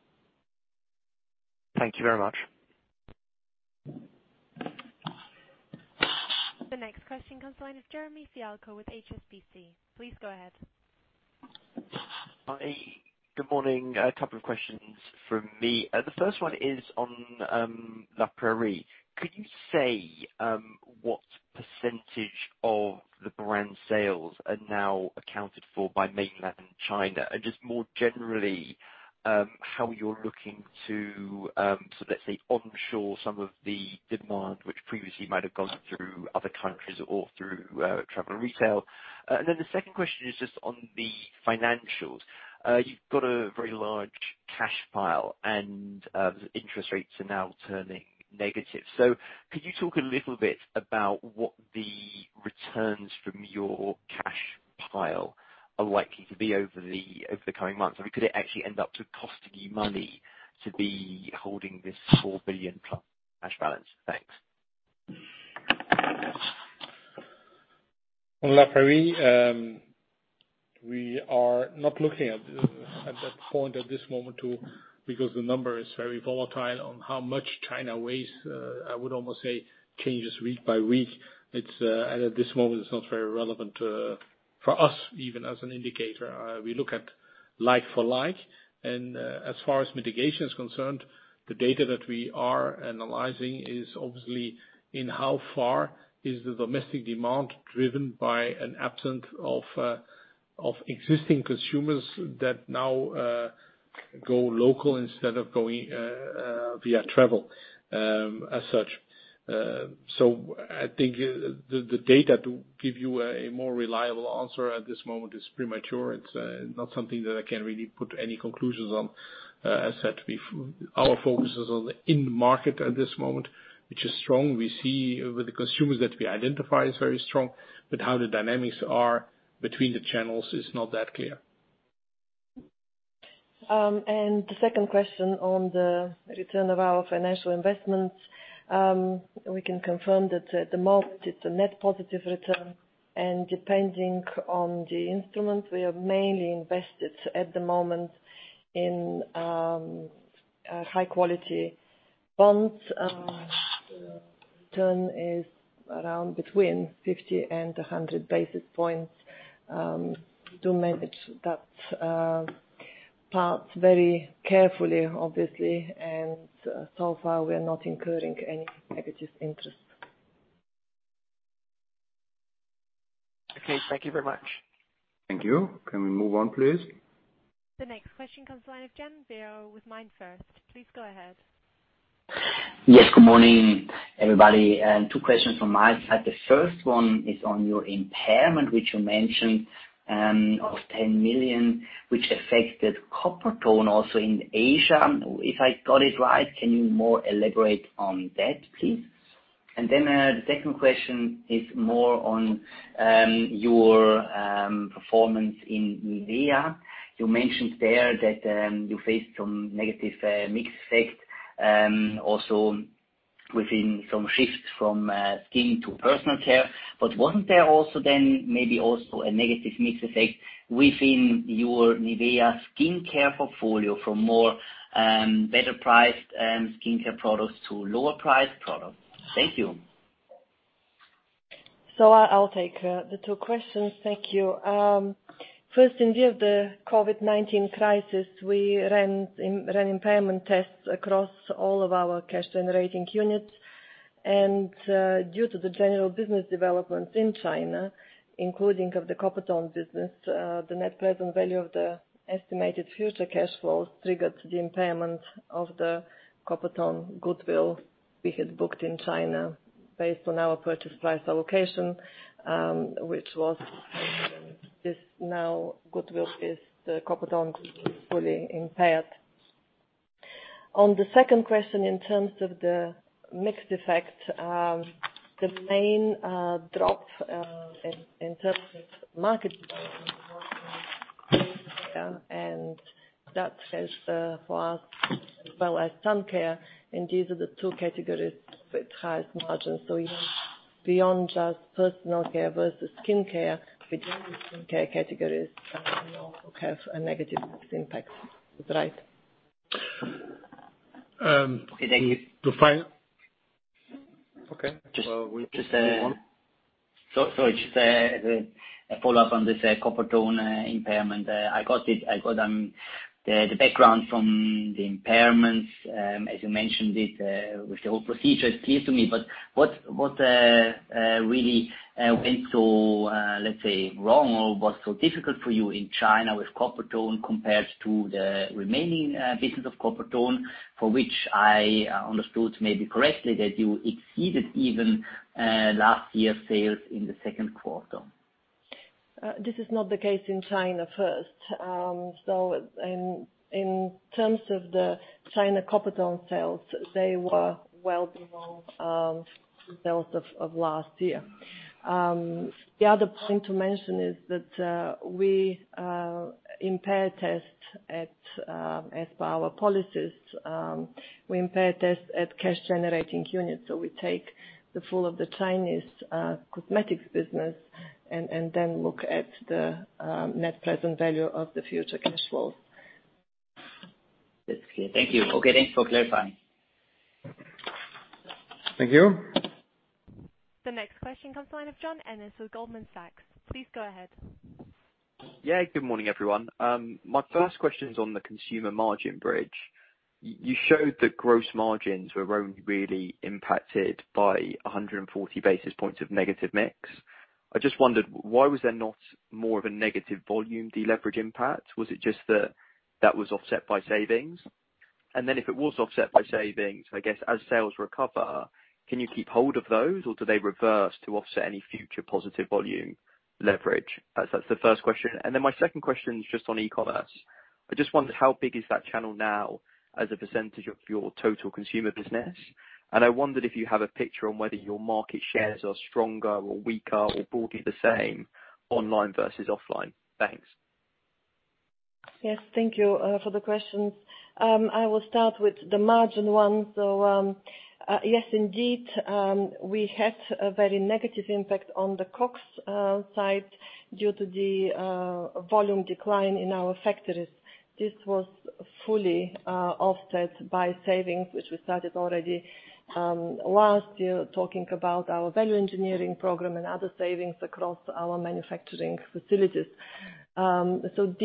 Thank you very much. The next question comes from the line of Jeremy Fialko with HSBC. Please go ahead. Hi. Good morning. A couple of questions from me. The first one is on La Prairie. Could you say what percentage of the brand sales are now accounted for by mainland China? And just more generally, how you're looking to, let's say, onshore some of the demand which previously might have gone through other countries or through travel retail. And then the second question is just on the financials. You've got a very large cash pile, and interest rates are now turning negative. So could you talk a little bit about what the returns from your cash pile are likely to be over the coming months? I mean, could it actually end up costing you money to be holding this four billion-plus cash balance? Thanks. La Prairie, we are not looking at that point at this moment because the number is very volatile on how much China weighs. I would almost say changes week by week. At this moment, it's not very relevant for us, even as an indicator. We look at like for like. And as far as mitigation is concerned, the data that we are analyzing is obviously in how far is the domestic demand driven by an absence of existing consumers that now go local instead of going via travel as such. So I think the data to give you a more reliable answer at this moment is premature. It's not something that I can really put any conclusions on, as said. Our focus is on the in-market at this moment, which is strong. We see with the consumers that we identify is very strong, but how the dynamics are between the channels is not that clear. And the second question on the return of our financial investments, we can confirm that at the moment, it's a net positive return. And depending on the instrument, we are mainly invested at the moment in high-quality bonds. Return is around between 50 and 100 basis points. We do manage that part very carefully, obviously, and so far, we are not incurring any negative interest. Okay. Thank you very much. Thank you. Can we move on, please? The next question comes from the line of Ken Bear with Minecraft. Please go ahead. Yes. Good morning, everybody. Two questions from my side. The first one is on your impairment, which you mentioned, of 10 million, which affected Coppertone also in Asia. If I got it right, can you more elaborate on that, please? And then the second question is more on your performance in Nivea. You mentioned there that you faced some negative mixed effect also within some shifts from skin to personal care. But wasn't there also then maybe also a negative mixed effect within your Nivea skincare portfolio from more better-priced skincare products to lower-priced products? Thank you. So I'll take the two questions. Thank you. First, in view of the COVID-19 crisis, we ran impairment tests across all of our cash-generating units. Due to the general business developments in China, including of the Coppertone business, the net present value of the estimated future cash flows triggered the impairment of the Coppertone goodwill we had booked in China based on our purchase price allocation, which was just now goodwill is the Coppertone fully impaired. On the second question, in terms of the mix effect, the main drop in terms of market demand was in Nivea, and that has for us, as well as sun care, indeed, are the two categories with highest margins. So beyond just personal care versus skincare, within the skincare categories, we also have a negative impact. Is that right? Okay. Thank you. Just a follow-up on this Coppertone impairment. I got the background from the impairments. As you mentioned it with the whole procedure, it's clear to me. But what really went so, let's say, wrong or was so difficult for you in China with Coppertone compared to the remaining business of Coppertone, for which I understood maybe correctly that you exceeded even last year's sales in the second quarter? This is not the case in China first. So in terms of the China Coppertone sales, they were well below the sales of last year. The other point to mention is that we impaired assets as per our policies. We impaired assets at cash-generating units. So we take the value of the Chinese cosmetics business and then look at the net present value of the future cash flows. That's clear. Thank you. Okay. Thanks for clarifying. Thank you. The next question comes from the line of John Ennis with Goldman Sachs. Please go ahead. Yeah. Good morning, everyone. My first question is on the consumer margin bridge. You showed that gross margins were only really impacted by 140 basis points of negative mix. I just wondered, why was there not more of a negative volume deleverage impact? Was it just that that was offset by savings? And then if it was offset by savings, I guess, as sales recover, can you keep hold of those, or do they reverse to offset any future positive volume leverage? That's the first question. And then my second question is just on e-commerce. I just wondered, how big is that channel now as a percentage of your total consumer business? And I wondered if you have a picture on whether your market shares are stronger or weaker or broadly the same online versus offline. Thanks. Yes. Thank you for the questions. I will start with the margin one. So yes, indeed, we had a very negative impact on the cost side due to the volume decline in our factories. This was fully offset by savings, which we started already last year talking about our value engineering program and other savings across our manufacturing facilities. So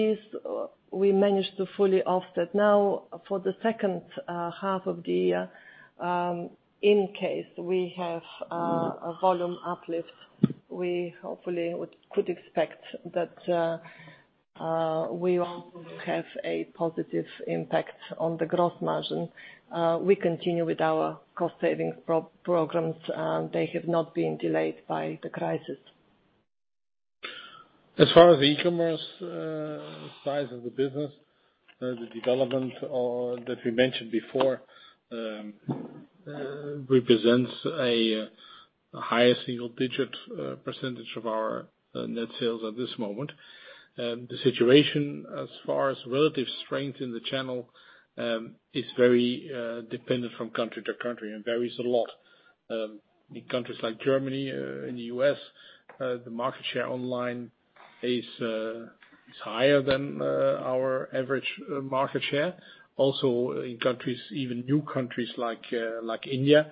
we managed to fully offset. Now, for the second half of the year, in case we have a volume uplift, we hopefully could expect that we also have a positive impact on the gross margin. We continue with our cost savings programs. They have not been delayed by the crisis. As far as the e-commerce side of the business, the development that we mentioned before represents a higher single-digit % of our net sales at this moment. The situation as far as relative strength in the channel is very dependent from country to country and varies a lot. In countries like Germany, in the US, the market share online is higher than our average market share. Also, in countries, even new countries like India,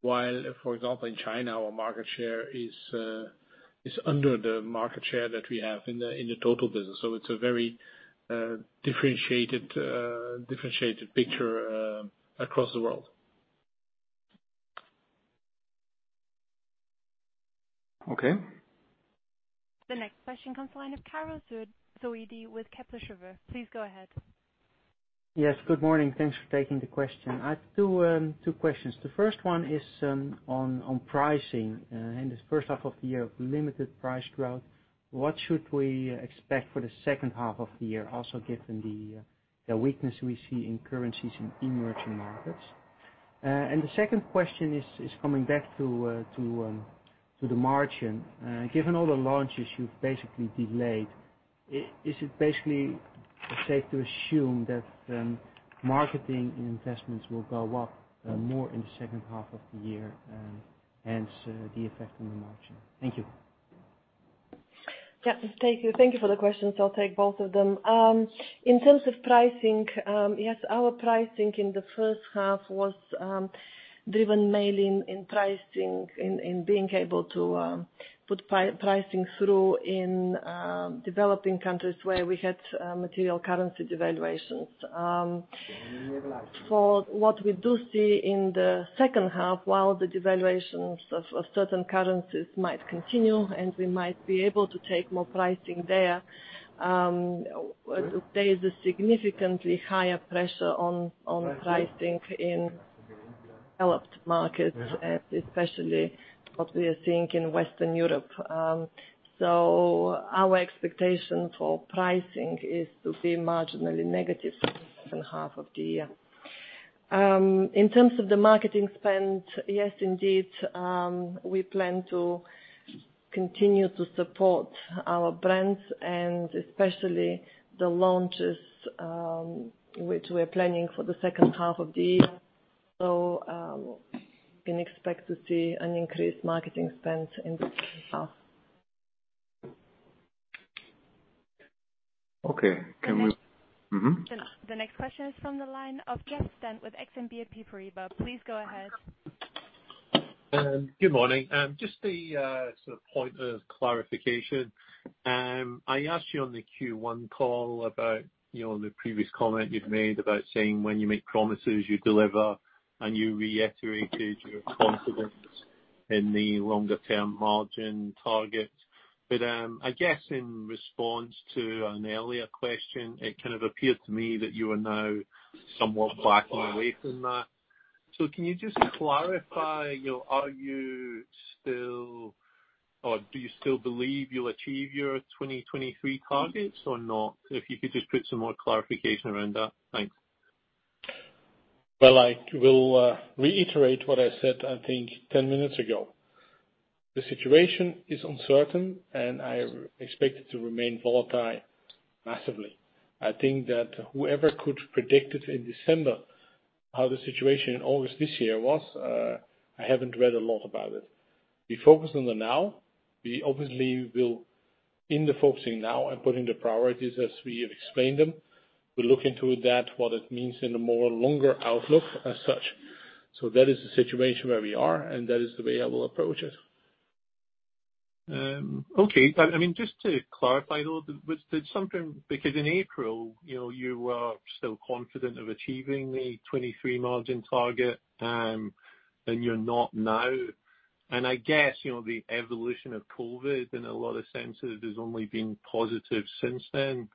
while for example in China, our market share is under the market share that we have in the total business. So it's a very differentiated picture across the world. Okay. The next question comes fr om the line of Karel Zoete with Kepler Cheuvreux. Please go ahead. Yes. Good morning. Thanks for taking the question. I have two questions. The first one is on pricing. And the first half of the year, limited price growth. What should we expect for the second half of the year, also given the weakness we see in currencies in emerging markets? And the second question is coming back to the margin. Given all the launches you've basically delayed, is it basically safe to assume that marketing investments will go up more in the second half of the year, hence the effect on the margin? Thank you. Yeah. Thank you. Thank you for the questions. I'll take both of them. In terms of pricing, yes, our pricing in the first half was driven mainly in pricing, in being able to put pricing through in developing countries where we had material currency devaluations. For what we do see in the second half, while the devaluations of certain currencies might continue and we might be able to take more pricing there, there is a significantly higher pressure on pricing in developed markets, especially what we are seeing in Western Europe. So our expectation for pricing is to be marginally negative in the second half of the year. In terms of the marketing spend, yes, indeed, we plan to continue to support our brands and especially the launches which we are planning for the second half of the year. So we can expect to see an increased marketing spend in the second half. Okay. The next question is from the line of Jeff Stent with Exane BNP Paribas. Please go ahead. Good morning. Just a sort of point of clarification. I asked you on the Q1 call about the previous comment you've made about saying when you make promises, you deliver, and you reiterated your confidence in the longer-term margin target. But I guess in response to an earlier question, it kind of appeared to me that you are now somewhat backing away from that. So can you just clarify, are you still or do you still believe you'll achieve your 2023 targets or not? If you could just put some more clarification around that. Thanks. Well, I will reiterate what I said, I think, 10 minutes ago. The situation is uncertain, and I expect it to remain volatile massively. I think that whoever could predict it in December, how the situation in August this year was, I haven't read a lot about it. We focus on the now. We obviously will, in the focusing now and putting the priorities as we have explained them, we'll look into that, what it means in a more longer outlook as such. So that is the situation where we are, and that is the way I will approach it. Okay. I mean, just to clarify a little bit, because in April, you were still confident of achieving the 23 margin target, and you're not now. I guess the evolution of COVID, in a lot of senses, has only been positive since then.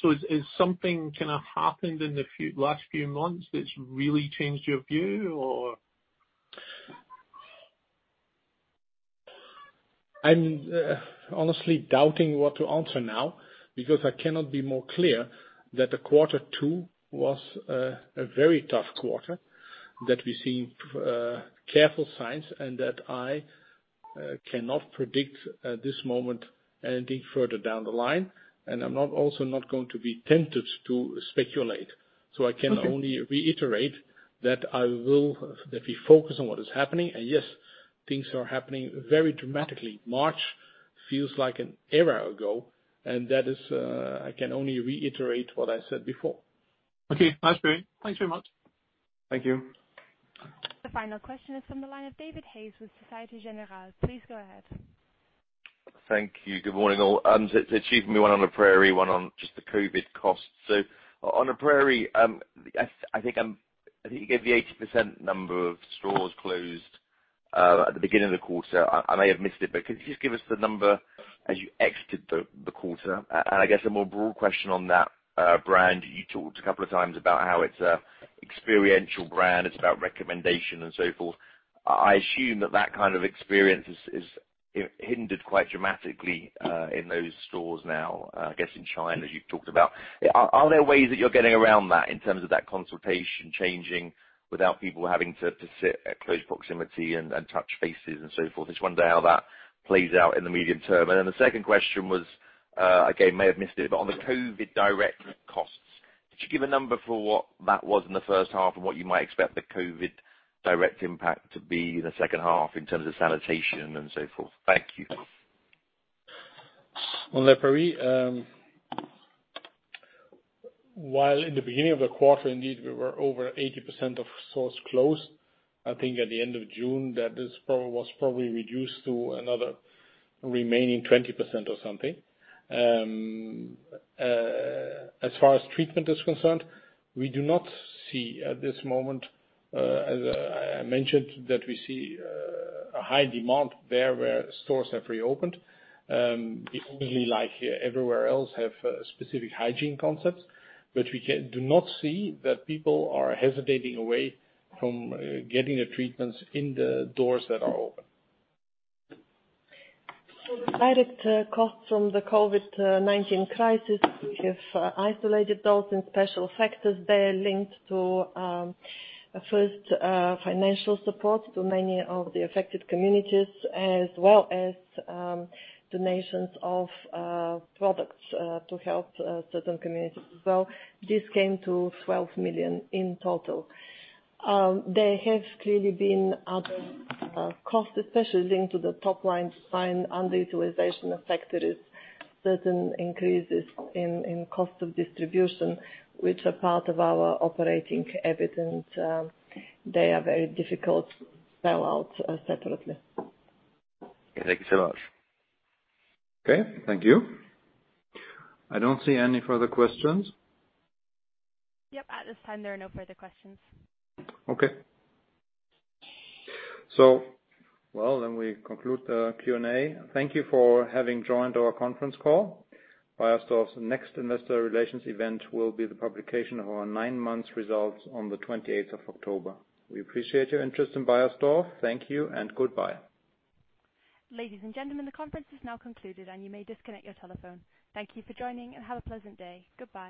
So has something kind of happened in the last few months that's really changed your view, or? I'm honestly doubting what to answer now because I cannot be more clear that the quarter two was a very tough quarter, that we've seen clear signs, and that I cannot predict at this moment anything further down the line. And I'm also not going to be tempted to speculate. So I can only reiterate that we focus on what is happening. And yes, things are happening very dramatically. March feels like an era ago, and I can only reiterate what I said before. Okay. That's great. Thanks very much. Thank you. The final question is from the line of David Hayes with Société Générale. Please go ahead. Thank you. Good morning, all. I have a question on La Prairie, one on just the COVID costs. So on La Prairie, I think you gave the 80% number of stores closed at the beginning of the quarter. I may have missed it, but could you just give us the number as you exited the quarter? And I guess a more broad question on that brand. You talked a couple of times about how it's an experiential brand. It's about recommendation and so forth. I assume that that kind of experience is hindered quite dramatically in those stores now, I guess, in China, as you've talked about. Are there ways that you're getting around that in terms of that consultation changing without people having to sit at close proximity and touch faces and so forth? I just wonder how that plays out in the medium term. And then the second question was, again, may have missed it, but on the COVID direct costs, could you give a number for what that was in the first half and what you might expect the COVID direct impact to be in the second half in terms of sanitation and so forth? Thank you. On La Prairie, while in the beginning of the quarter, indeed, we were over 80% of stores closed, I think at the end of June, that was probably reduced to another remaining 20% or something. As far as treatment is concerned, we do not see at this moment, as I mentioned, that we see a high demand there where stores have reopened. We obviously, like everywhere else, have specific hygiene concepts, but we do not see that people are hesitating away from getting the treatments in the stores that are open. Direct costs from the COVID-19 crisis, we have isolated those in special factors. They are linked to first financial support to many of the affected communities, as well as donations of products to help certain communities. So this came to 12 million in total. There have clearly been other costs, especially linked to the top line underutilization of factories, certain increases in cost of distribution, which are part of our operating expenses. They are very difficult to spell out separately. Okay. Thank you so much. Okay. Thank you. I don't see any further questions. Yep. At this time, there are no further questions. Okay. So, well, then we conclude the Q&A. Thank you for having joined our conference call. Beiersdorf's next investor relations event will be the publication of our nine-month results on the 28th of October. We appreciate your interest in Beiersdorf. Thank you and goodbye. Ladies and gentlemen, the conference is now concluded, and you may disconnect your telephone. Thank you for joining and have a pleasant day. Goodbye.